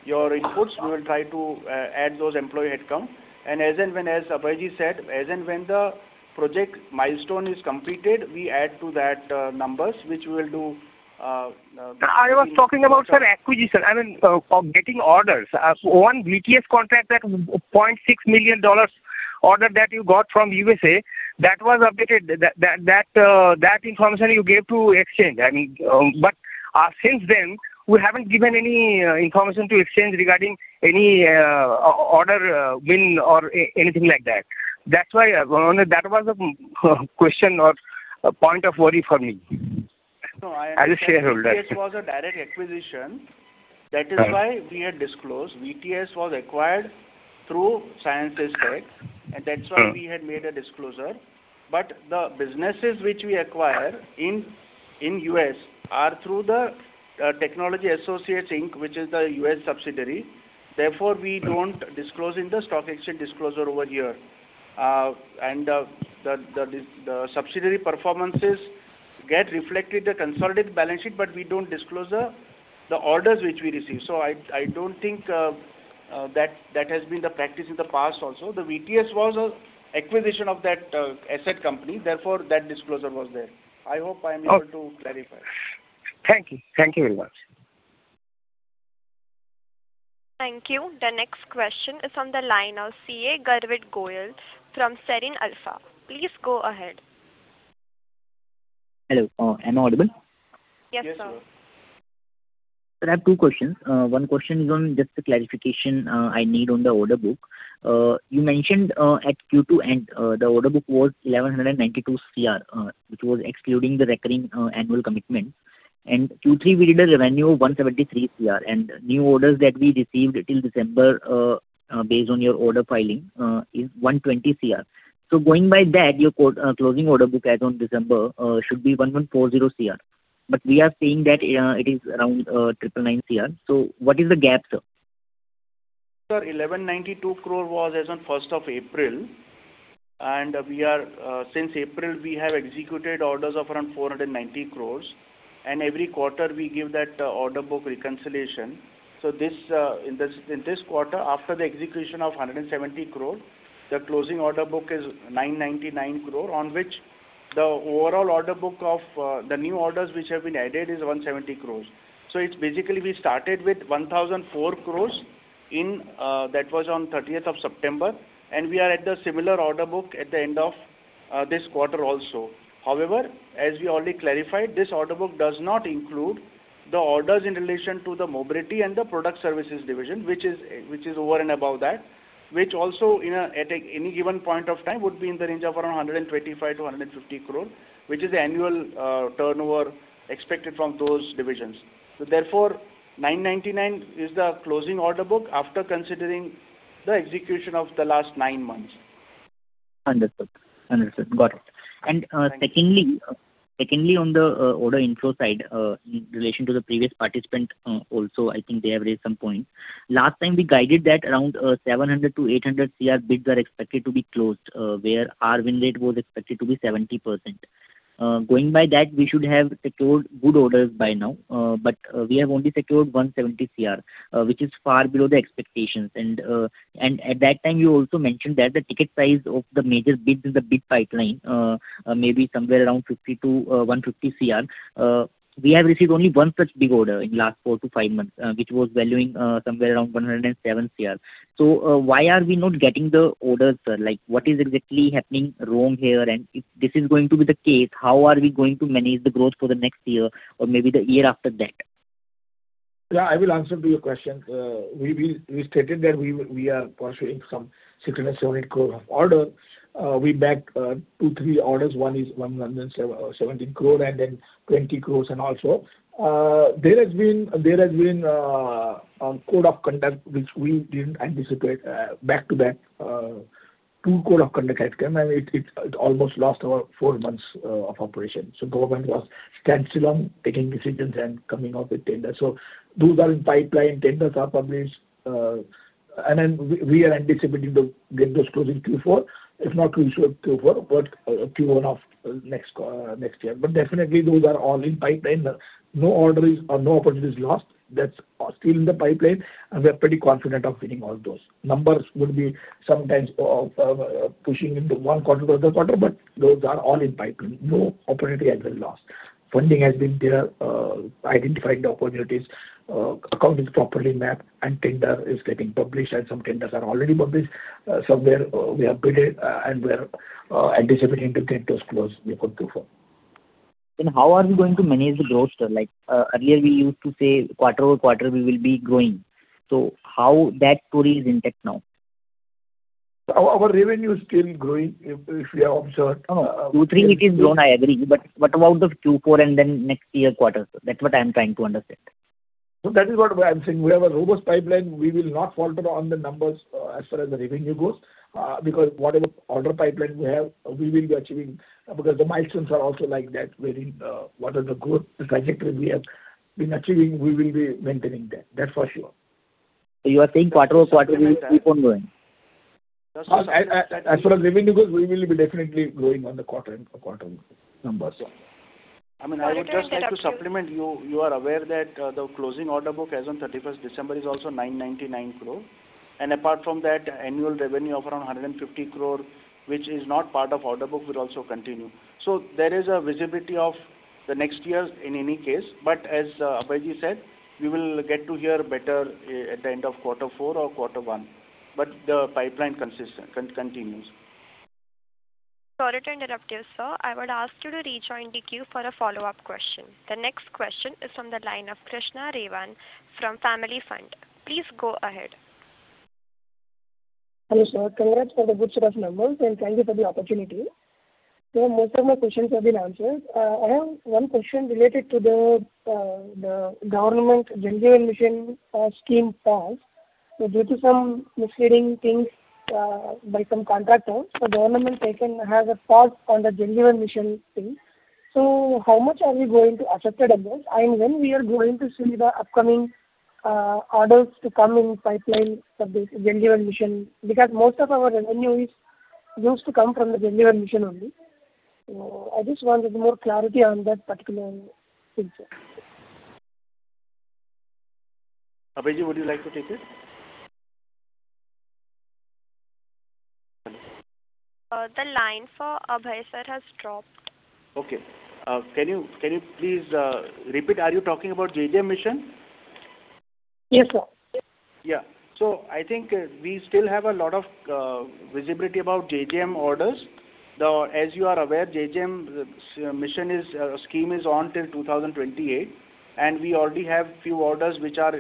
Speaker 11: inputs. We will try to add those employee headcount.
Speaker 3: And as and when, as Abhay said, as and when the project milestone is completed, we add to that numbers, which we will do.
Speaker 15: I was talking about, sir, acquisition, I mean, getting orders. One VTS contract, that $0.6 million order that you got from USA, that was updated. That information you gave to exchange. I mean, but, since then, we haven't given any information to exchange regarding any order win or anything like that. That's why that was a question or a point of worry for me as a shareholder.
Speaker 11: No, I understand. This was a direct acquisition.
Speaker 3: Right. That is why we had disclosed. VTS was acquired through Ceinsys Tech, and that's why-
Speaker 15: Mm.
Speaker 3: We had made a disclosure. But the businesses which we acquire in the U.S. are through the Technology Associates Inc., which is the U.S. subsidiary. Therefore, we don't disclose in the stock exchange disclosure over here. And the subsidiary performances get reflected the consolidated balance sheet, but we don't disclose the orders which we receive. So I don't think that has been the practice in the past also. The VTS was a acquisition of that asset company, therefore, that disclosure was there. I hope I am able to clarify.
Speaker 15: Thank you. Thank you very much.
Speaker 1: Thank you. The next question is on the line of CA Garvit Goyal from Serene Alpha. Please go ahead.
Speaker 16: Hello, am I audible?
Speaker 1: Yes, sir.
Speaker 3: Yes, sir.
Speaker 16: Sir, I have two questions. One question is on just the clarification I need on the order book. You mentioned at Q2, and the order book was 1,192 crore, which was excluding the recurring annual commitment. And Q3, we did a revenue of 173 crore, and new orders that we received till December, based on your order filing, is 120 crore. So going by that, your closing order book as on December should be 1,140 crore. But we are seeing that it is around 999 crore. So what is the gap, sir?
Speaker 3: Sir, 1,192 crore was as on first of April, and we are, since April, we have executed orders of around 490 crore, and every quarter we give that order book reconciliation. So this, in this, in this quarter, after the execution of 170 crore, the closing order book is 999 crore, on which the overall order book of, the new orders which have been added is 170 crore. So it's basically we started with 1,004 crore in, that was on 30th of September, and we are at the similar order book at the end of, this quarter also. However, as we already clarified, this order book does not include the orders in relation to the mobility and the product services division, which is over and above that, which also at a any given point of time, would be in the range of around 125 crore-150 crore, which is the annual turnover expected from those divisions. So therefore, 999 is the closing order book after considering the execution of the last nine months.
Speaker 16: Understood. Got it. And, secondly, on the order info side, in relation to the previous participant, also, I think they have raised some points. Last time we guided that around 700 crore-800 crore crore bids are expected to be closed, where our win rate was expected to be 70%. Going by that, we should have secured good orders by now, but we have only secured 170 crore, which is far below the expectations. And at that time, you also mentioned that the ticket price of the major bids in the bid pipeline may be somewhere around 50-150 crore. We have received only one such big order in last four-five months, which was valuing somewhere around 107 crore. So, why are we not getting the orders, sir? Like, what is exactly happening wrong here? And if this is going to be the case, how are we going to manage the growth for the next year or maybe the year after that?
Speaker 11: Yeah, I will answer to your question. We stated that we are pursuing some 600-700 crore of order. We bagged two-three orders. One is 117 crore and then 20 crore and also. There has been a code of conduct which we didn't anticipate, back-to-back two code of conduct had come, and it almost lost about four months of operation. So government was standstill on taking decisions and coming out with tender. So those are in pipeline, tenders are published, and then we are anticipating to get those closed in Q4, if not Q4 but Q1 of next year. But definitely, those are all in pipeline. No order is or no opportunity is lost. That's still in the pipeline, and we are pretty confident of winning all those. Numbers would be sometimes pushing into one quarter or the other quarter, but those are all in pipeline. No opportunity has been lost. Funding has been clear identifying the opportunities, account is properly mapped, and tender is getting published, and some tenders are already published. So where we have bid it, and we are anticipating to get those closed before Q4.
Speaker 16: How are we going to manage the growth, sir? Like, earlier we used to say quarter-over-quarter we will be growing. How that story is intact now?
Speaker 11: Our revenue is still growing, if you have observed.
Speaker 16: Q3, it is grown, I agree. But what about the Q4 and then next year quarters? That's what I'm trying to understand.
Speaker 11: So that is what I'm saying. We have a robust pipeline. We will not falter on the numbers, as far as the revenue goes, because whatever order pipeline we have, we will be achieving, because the milestones are also like that, where in, what are the growth trajectory we have been achieving, we will be maintaining that. That's for sure.
Speaker 16: You are saying quarter-over-quarter, we will keep on growing?
Speaker 11: As far as revenue goes, we will be definitely growing on the quarter and quarter numbers.
Speaker 3: I mean, I would just like to supplement. You are aware that the closing order book as on 31st December is also 999 crore. And apart from that, annual revenue of around 150 crore, which is not part of order book, will also continue. So there is a visibility of the next years in any case, but as Abhayji said, we will get to hear better at the end of quarter four or quarter one. But the pipeline continues.
Speaker 1: Sorry to interrupt you, sir. I would ask you to rejoin the queue for a follow-up question. The next question is from the line of Krishna Revan from Family Fund. Please go ahead.
Speaker 17: Hello, sir. Congrats for the good set of numbers, and thank you for the opportunity. So most of my questions have been answered. I have one question related to the, the government JJM mission, scheme pause. So due to some misleading things, by some contractors, the government taken has a pause on the JJM mission thing. So how much are we going to accepted amounts, and when we are going to see the upcoming, orders to come in pipeline for this JJM mission? Because most of our revenue is... used to come from the JJM mission only. I just wanted more clarity on that particular thing, sir.
Speaker 3: Abhayji, would you like to take it?
Speaker 1: The line for Abhay, sir, has dropped.
Speaker 3: Okay. Can you, can you please, repeat? Are you talking about JJM mission?
Speaker 17: Yes, sir.
Speaker 3: Yeah. So I think, we still have a lot of visibility about JJM orders. As you are aware, JJM mission is scheme is on till 2028, and we already have few orders which are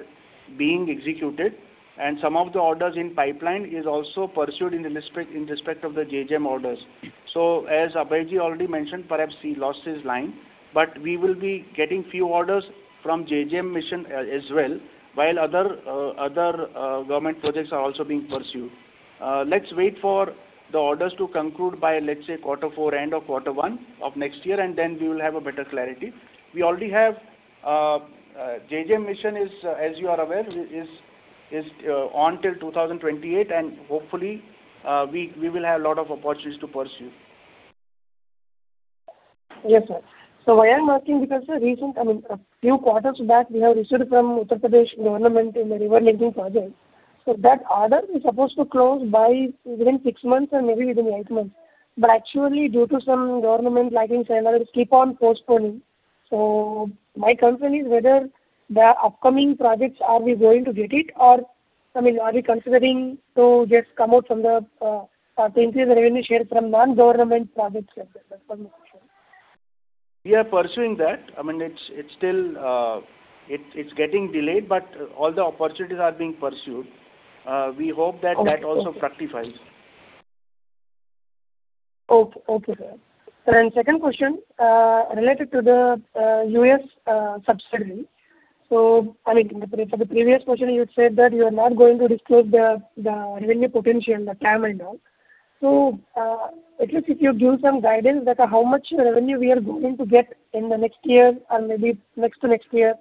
Speaker 3: being executed, and some of the orders in pipeline is also pursued in the respect, in respect of the JJM orders. So as Abhayji already mentioned, perhaps he lost his line, but we will be getting few orders from JJM mission, as well, while other government projects are also being pursued. Let's wait for the orders to conclude by, let's say, quarter four, end of quarter one of next year, and then we will have a better clarity. We already have. JJM mission is, as you are aware, on till 2028, and hopefully, we will have a lot of opportunities to pursue.
Speaker 17: Yes, sir. So why I'm asking? Because the recent, I mean, a few quarters back, we have received from Uttar Pradesh government in the river linking project. So that order is supposed to close by within six months and maybe within eight months. But actually, due to some government lagging standards, keep on postponing. So my concern is whether the upcoming projects, are we going to get it, or, I mean, are we considering to just come out from the percentage revenue share from non-government projects like that? That's my question.
Speaker 3: We are pursuing that. I mean, it's still getting delayed, but all the opportunities are being pursued. We hope that that also fructifies.
Speaker 17: Okay, sir. Sir, and second question, related to the U.S. subsidiary. So, I mean, for the previous question, you said that you are not going to disclose the revenue potential, the TAM and all. So, at least if you give some guidance that how much revenue we are going to get in the next year and maybe next to next year,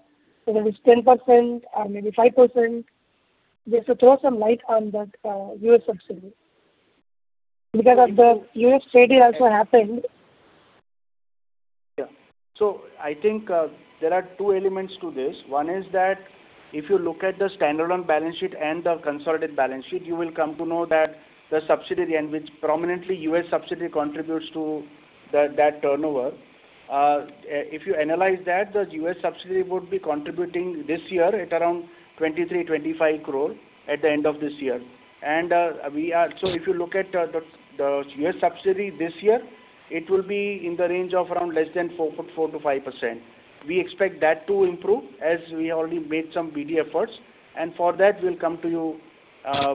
Speaker 17: whether it's 10% or maybe 5%, just to throw some light on that U.S. subsidiary. Because of the U.S. study also happened.
Speaker 3: Yeah. So I think, there are two elements to this. One is that if you look at the standalone balance sheet and the consolidated balance sheet, you will come to know that the subsidiary, and which prominently U.S. subsidiary contributes to the, that turnover. If you analyze that, the U.S. subsidiary would be contributing this year at around 23 crore-25 crore at the end of this year. And, So if you look at the, the U.S. subsidiary this year, it will be in the range of around less than 4%-5%. We expect that to improve, as we already made some BD efforts, and for that, we'll come to you,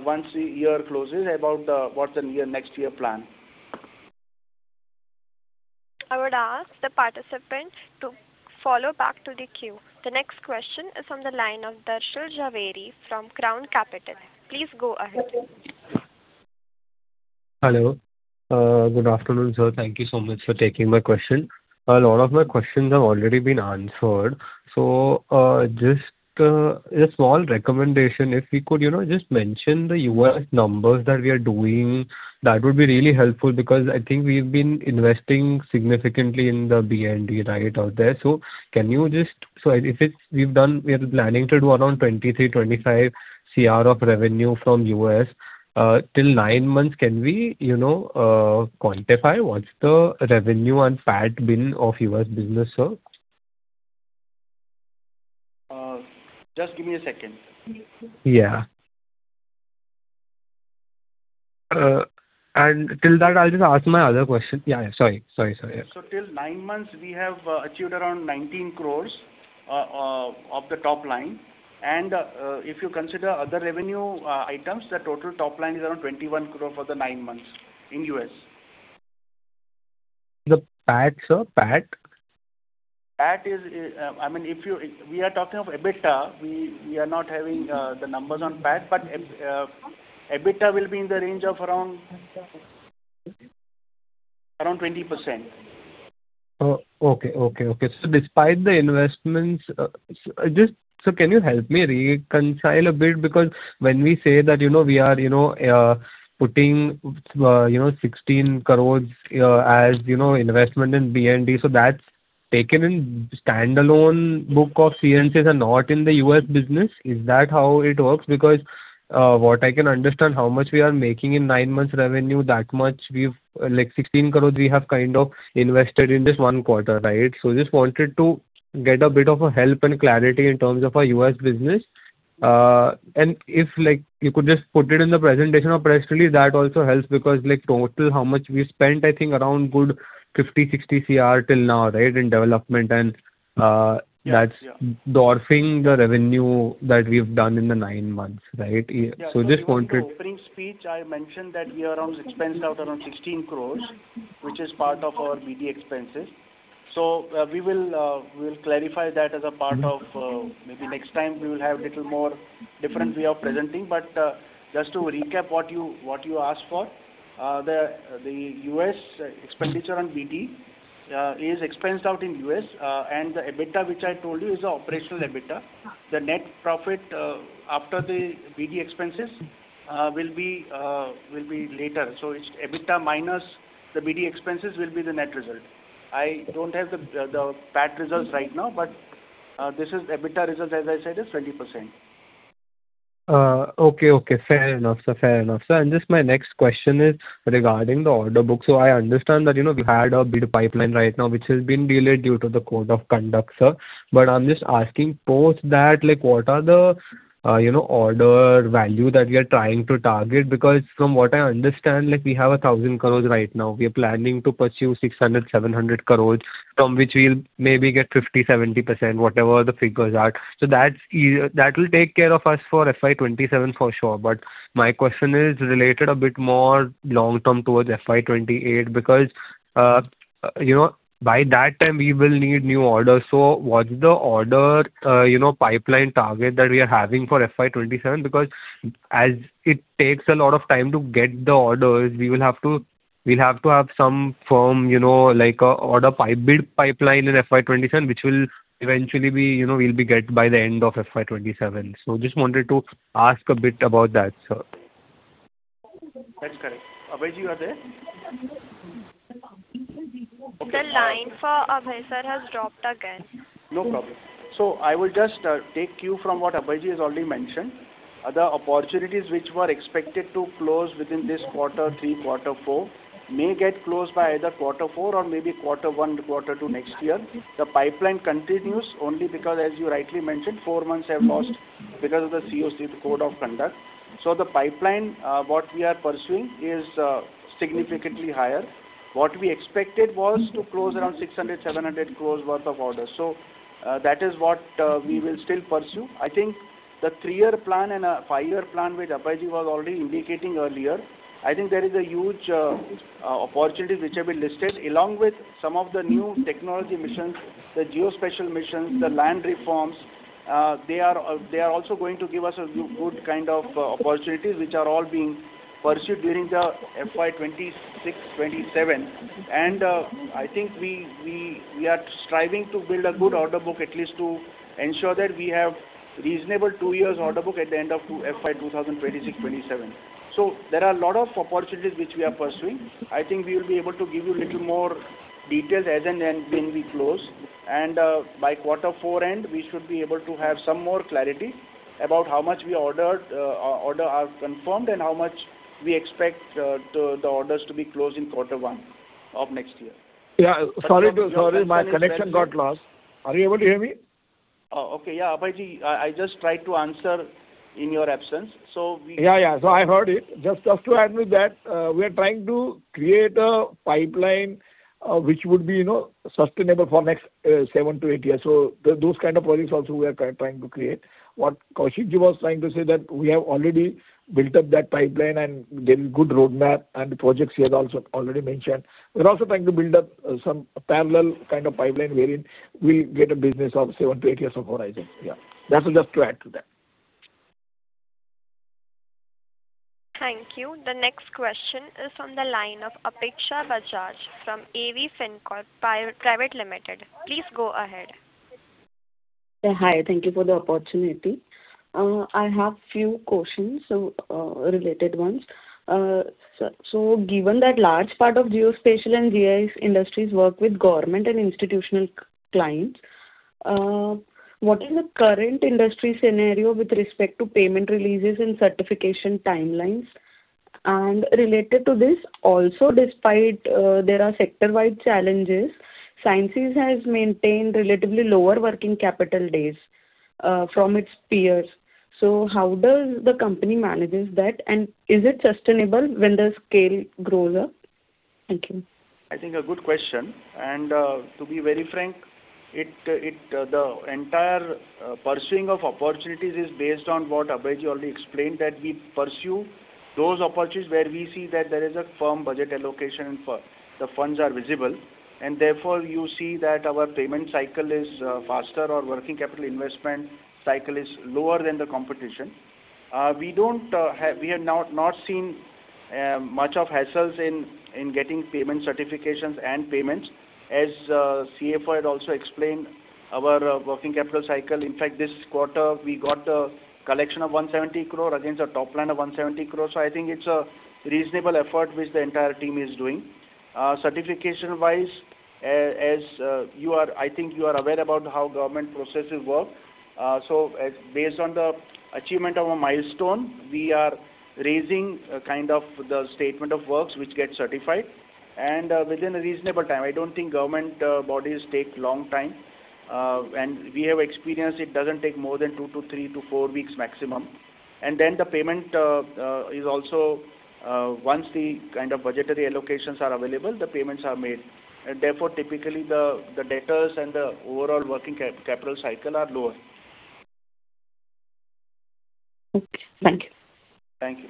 Speaker 3: once the year closes, about the, what's the next year plan.
Speaker 1: I would ask the participants to follow back to the queue. The next question is from the line of Darshan Jhaveri from Crown Capital. Please go ahead.
Speaker 18: Hello. Good afternoon, sir. Thank you so much for taking my question. A lot of my questions have already been answered. So, just, a small recommendation, if we could, you know, just mention the U.S. numbers that we are doing, that would be really helpful, because I think we've been investing significantly in the R&D, right, out there. So can you just... So if it's, we've done, we are planning to do around 23 crore-25 crore of revenue from U.S. Till nine months, can we, you know, quantify what's the revenue and PAT, EBITDA of U.S business, sir?
Speaker 3: Just give me a second.
Speaker 18: Yeah. And till that, I'll just ask my other question. Yeah, sorry, sorry, sorry.
Speaker 3: So till nine months, we have achieved around 19 crore of the top line. If you consider other revenue items, the total top line is around 21 crore for the nine months in U.S.
Speaker 18: The PAT, sir, PAT?
Speaker 3: PAT is, I mean, if you we are talking of EBITDA, we are not having the numbers on PAT, but EBITDA will be in the range of around 20%.
Speaker 18: Oh, okay, okay, okay. So despite the investments, so just... Sir, can you help me reconcile a bit? Because when we say that, you know, we are, you know, putting, you know, 16 crore, as you know, investment in BD, so that's taken in standalone book of Ceinsys and not in the U.S. business. Is that how it works? Because, what I can understand, how much we are making in nine months revenue, that much we've, like 16 crore, we have kind of invested in this one quarter, right? So just wanted to get a bit of a help and clarity in terms of our U.S. business. And if, like, you could just put it in the presentation or press release, that also helps, because, like, total, how much we spent, I think around 50 crore-60 crore till now, right, in development, and
Speaker 3: Yeah, yeah.
Speaker 18: that's dwarfing the revenue that we've done in the nine months, right?
Speaker 3: Yeah.
Speaker 18: So just wanted-
Speaker 3: In the opening speech, I mentioned that we around expensed out around 16 crore, which is part of our BD expenses. So, we will clarify that as a part of maybe next time we will have little more different way of presenting. But, just to recap what you asked for, the U.S. expenditure on BD is expensed out in U.S., and the EBITDA, which I told you, is the operational EBITDA. The net profit after the BD expenses will be later. So it's EBITDA minus the BD expenses will be the net result. I don't have the PAT results right now, but this is EBITDA results, as I said, is 20%.
Speaker 18: Okay, okay, fair enough, sir. Fair enough, sir. Just my next question is regarding the order book. I understand that, you know, we had a bid pipeline right now, which has been delayed due to the code of conduct, sir. But I'm just asking, post that, like, what are the, you know, order value that we are trying to target? Because from what I understand, like, we have 1,000 crore right now. We are planning to pursue 600 crore-700 crore, from which we'll maybe get 50%-70%, whatever the figures are. So that's, yeah, that will take care of us for FY 2027 for sure. But my question is related a bit more long term towards FY 2028, because, you know, by that time we will need new orders. So what's the order pipeline target that we are having for FY 27? Because as it takes a lot of time to get the orders, we will have to, we'll have to have some firm, you know, like, order pipeline, bid pipeline in FY 27, which will eventually be, you know, we'll be get by the end of FY 27. So just wanted to ask a bit about that, sir.
Speaker 3: That's correct. Abhijeet, you are there?
Speaker 1: The line for Abhijeet, sir, has dropped again.
Speaker 3: No problem. So I will just, take you from what Abhijeet has already mentioned. The opportunities which were expected to close within this quarter three, quarter four, may get closed by either quarter four or maybe quarter one to quarter two next year. The pipeline continues only because, as you rightly mentioned, four months have lost because of the COC, the code of conduct. So the pipeline, what we are pursuing is, significantly higher. What we expected was to close around 600 crore-700 crore worth of orders. So, that is what, we will still pursue. I think the three-year plan and a five-year plan, which Abhijeet was already indicating earlier, I think there is a huge, opportunity which have been listed, along with some of the new technology missions, the geospatial missions, the land reforms. They are also going to give us a good kind of opportunities, which are all being pursued during the FY 2026, 2027. And I think we are striving to build a good order book, at least to ensure that we have reasonable two years order book at the end of FY 2026, 2027. So there are a lot of opportunities which we are pursuing. I think we will be able to give you a little more details as and when we close. And by quarter four end, we should be able to have some more clarity about how much orders are confirmed and how much we expect the orders to be closed in quarter one of next year.
Speaker 5: Yeah, sorry, my connection got lost. Are you able to hear me?
Speaker 3: Oh, okay. Yeah, Abhijeet, I just tried to answer in your absence. So we-
Speaker 5: Yeah, yeah. So I heard it. Just, just to add with that, we are trying to create a pipeline, which would be, you know, sustainable for next, seven-eight years. So those kind of projects also we are trying to create. What Kaushik was trying to say that we have already built up that pipeline and there is good roadmap and the projects he has also already mentioned. We're also trying to build up some parallel kind of pipeline, wherein we'll get a business of seven to eight years of horizon. Yeah, that's just to add to that.
Speaker 1: Thank you. The next question is on the line of Apeksha Bajaj from AV Fincorp Private Limited. Please go ahead.
Speaker 19: Hi, thank you for the opportunity. I have few questions, so related ones. Given that large part of geospatial and GIS industries work with government and institutional clients, what is the current industry scenario with respect to payment releases and certification timelines? And related to this also, despite there are sector-wide challenges, Ceinsys has maintained relatively lower working capital days from its peers. So how does the company manages that, and is it sustainable when the scale grows up? Thank you.
Speaker 3: I think a good question. And, to be very frank, it, the entire pursuing of opportunities is based on what Abhijeet already explained, that we pursue those opportunities where we see that there is a firm budget allocation and for the funds are visible. And therefore, you see that our payment cycle is, faster or working capital investment cycle is lower than the competition. We don't have... We have not seen much of hassles in getting payment certifications and payments. As, CFO had also explained, our working capital cycle, in fact, this quarter, we got a collection of 170 crore against our top line of 170 crore. So I think it's a reasonable effort which the entire team is doing. Certification wise, as you are-- I think you are aware about how government processes work. So based on the achievement of a milestone, we are raising a kind of the statement of works which get certified and, within a reasonable time. I don't think government bodies take long time, and we have experienced it doesn't take more than two-three-four weeks maximum. And then the payment is also, once the kind of budgetary allocations are available, the payments are made. And therefore, typically the debtors and the overall working capital cycle are lower.
Speaker 19: Okay. Thank you.
Speaker 3: Thank you.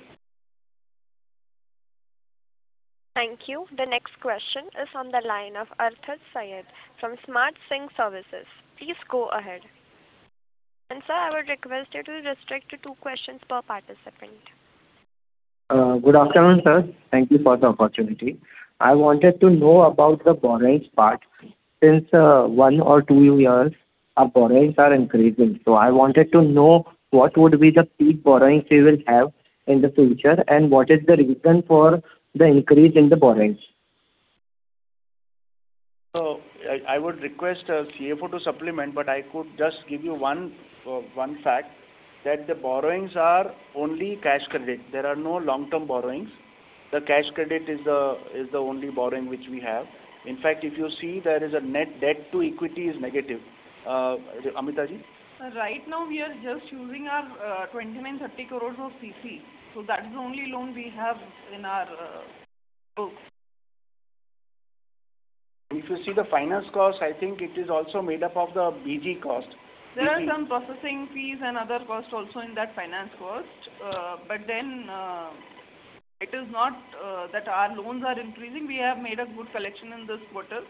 Speaker 1: Thank you. The next question is on the line of Arthur Syed from SmartSync Services. Please go ahead. And sir, I would request you to restrict to two questions per participant-
Speaker 20: Good afternoon, sir. Thank you for the opportunity. I wanted to know about the borrowings part. Since one or two years, our borrowings are increasing. I wanted to know what would be the peak borrowings we will have in the future, and what is the reason for the increase in the borrowings?
Speaker 3: So I would request our CFO to supplement, but I could just give you one fact, that the borrowings are only cash credit. There are no long-term borrowings. The cash credit is the only borrowing which we have. In fact, if you see there is a net debt to equity is negative. Amita?
Speaker 8: Right now, we are just using our 29-30 crore of CC, so that is the only loan we have in our books.
Speaker 3: If you see the finance cost, I think it is also made up of the BG cost.
Speaker 8: There are some processing fees and other costs also in that finance cost. But then, it is not that our loans are increasing. We have made a good collection in this quarter.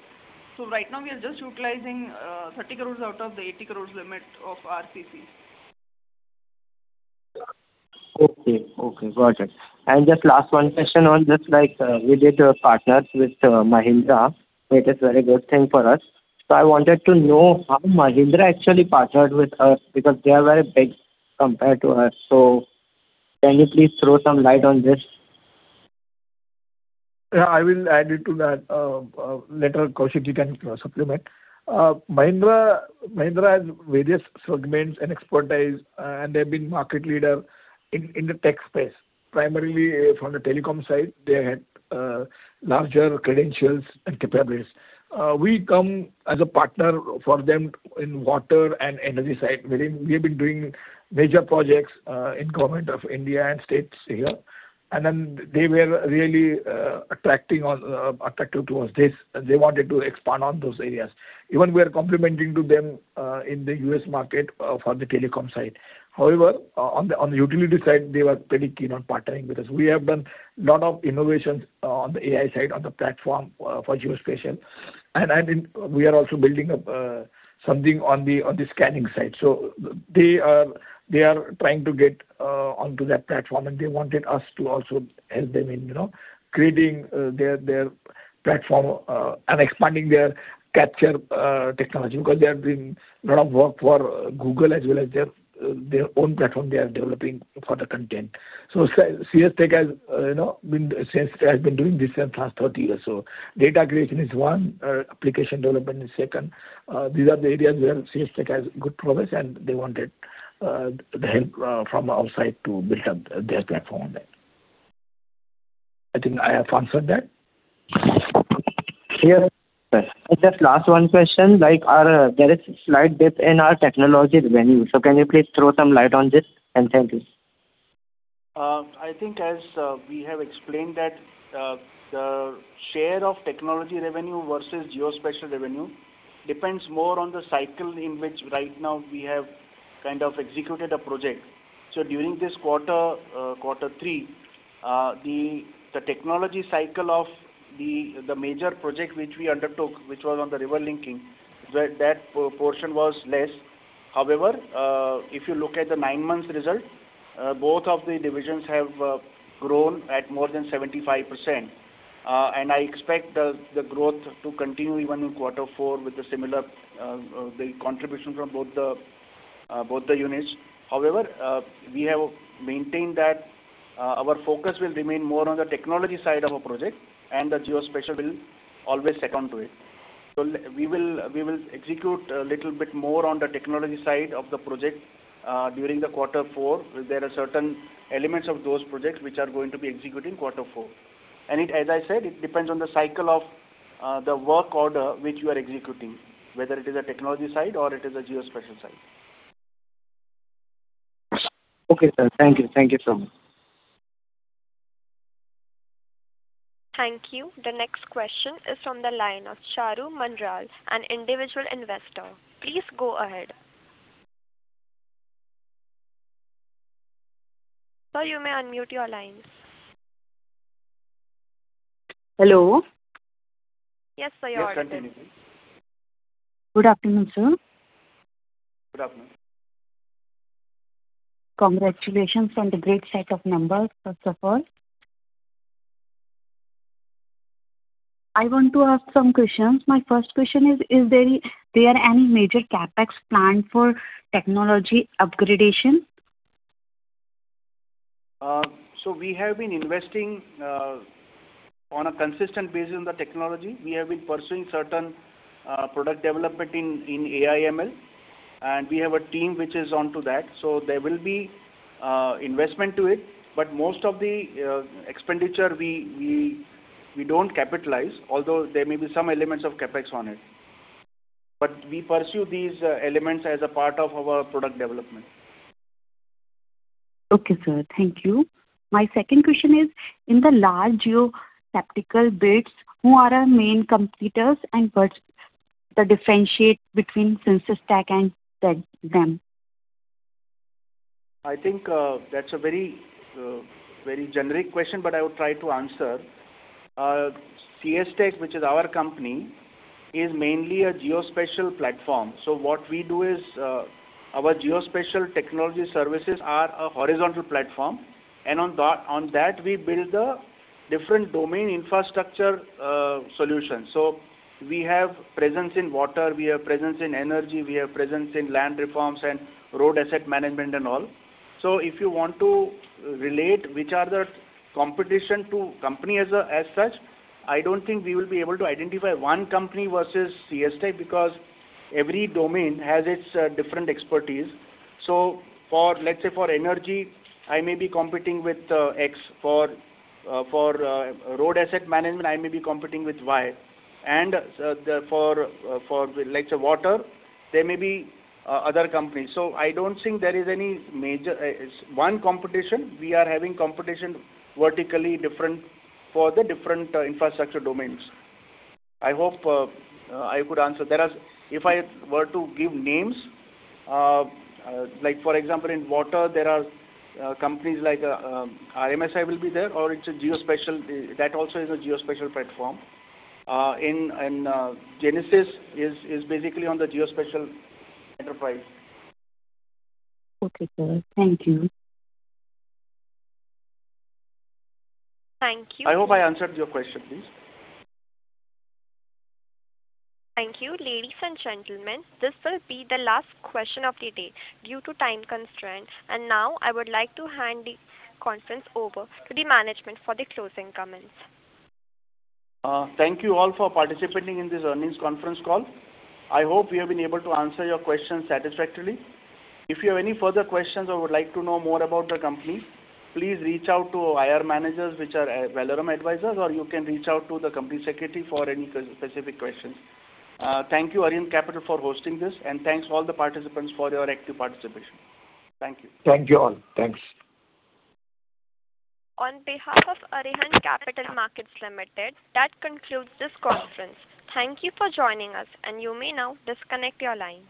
Speaker 8: So right now we are just utilizing 30 crore out of the 80 crore limit of our CC.
Speaker 20: Okay. Okay, got it. Just last one question on this, like, we did a partners with Mahindra. It is very good thing for us. I wanted to know how Mahindra actually partnered with us, because they are very big compared to us. So can you please throw some light on this?
Speaker 11: Yeah, I will add it to that. Later, Kaushik, you can supplement. Mahindra, Mahindra has various segments and expertise, and they've been market leader in the tech space. Primarily from the telecom side, they had larger credentials and capabilities. We come as a partner for them in water and energy side. We have been doing major projects in Government of India and states here, and then they were really attracted towards this, and they wanted to expand on those areas. Even we are complementing to them in the U.S. market for the telecom side. However, on the utility side, they were pretty keen on partnering with us. We have done lot of innovations on the AI side, on the platform for geospatial. We are also building up something on the scanning side. So they are trying to get onto that platform, and they wanted us to also help them in, you know, creating their platform and expanding their capture technology. Because they have been doing a lot of work for Google as well as their own platform they are developing for the content. So CS Tech has, you know, been doing this for the last 30 years or so. Data creation is one, application development is second. These are the areas where CS Tech has good progress, and they wanted the help from our side to build up their platform there. I think I have answered that.
Speaker 20: Clear. Just last one question, like, our, there is a slight dip in our technology revenue, so can you please throw some light on this? And thank you.
Speaker 3: I think as we have explained that the share of technology revenue versus geospatial revenue depends more on the cycle in which right now we have kind of executed a project. So during this quarter, quarter three, the technology cycle of the major project which we undertook, which was on the river linking, that portion was less. However, if you look at the nine months result, both of the divisions have grown at more than 75%. I expect the growth to continue even in quarter four with a similar contribution from both the units. However, we have maintained that our focus will remain more on the technology side of a project, and the geospatial will always second to it. So we will, we will execute a little bit more on the technology side of the project during the quarter four. There are certain elements of those projects which are going to be executing quarter four. And it, as I said, it depends on the cycle of the work order which you are executing, whether it is a technology side or it is a geospatial side.
Speaker 20: Okay, sir. Thank you. Thank you so much.
Speaker 1: Thank you. The next question is from the line of Charu Manral, an individual investor. Please go ahead. Sir, you may unmute your line.
Speaker 21: Hello?
Speaker 1: Yes, sir, you are-
Speaker 3: Yes, can you hear me?
Speaker 21: Good afternoon, sir.
Speaker 3: Good afternoon.
Speaker 21: Congratulations on the great set of numbers, first of all. I want to ask some questions. My first question is, is there any major CapEx planned for technology upgradation?
Speaker 3: So we have been investing on a consistent basis in the technology. We have been pursuing certain product development in AI/ML, and we have a team which is onto that. So there will be investment to it, but most of the expenditure, we don't capitalize, although there may be some elements of CapEx on it. But we pursue these elements as a part of our product development.
Speaker 21: Okay, sir. Thank you. My second question is, in the large geospatial bids, who are our main competitors, and what's the differentiation between Ceinsys Tech and them?
Speaker 3: I think, that's a very, very generic question, but I will try to answer. CS Tech, which is our company, is mainly a geospatial platform. So what we do is, our geospatial technology services are a horizontal platform, and on that, on that, we build the different domain infrastructure, solutions. So we have presence in water, we have presence in energy, we have presence in land reforms and road asset management and all.... So if you want to relate, which are the competition to company as such, I don't think we will be able to identify one company versus Ceinsys, because every domain has its different expertise. So for, let's say for energy, I may be competing with X. For, for road asset management, I may be competing with Y. For let's say water, there may be other companies. So I don't think there is any major one competition. We are having competition vertically different for the different infrastructure domains. I hope I could answer. There are. If I were to give names, like for example, in water, there are companies like RMSI will be there, or it's a geospatial, that also is a geospatial platform. In Genesys is basically on the geospatial enterprise.
Speaker 21: Okay, sir. Thank you.
Speaker 1: Thank you.
Speaker 3: I hope I answered your question, please.
Speaker 1: Thank you. Ladies and gentlemen, this will be the last question of the day due to time constraints. Now I would like to hand the conference over to the management for the closing comments.
Speaker 3: Thank you all for participating in this earnings conference call. I hope we have been able to answer your questions satisfactorily. If you have any further questions or would like to know more about the company, please reach out to our managers, which are Valorum Advisors, or you can reach out to the company secretary for any specific questions. Thank you, Arihant Capital, for hosting this, and thanks to all the participants for your active participation. Thank you.
Speaker 11: Thank you all. Thanks.
Speaker 1: On behalf of Arihant Capital Markets Limited, that concludes this conference. Thank you for joining us, and you may now disconnect your line.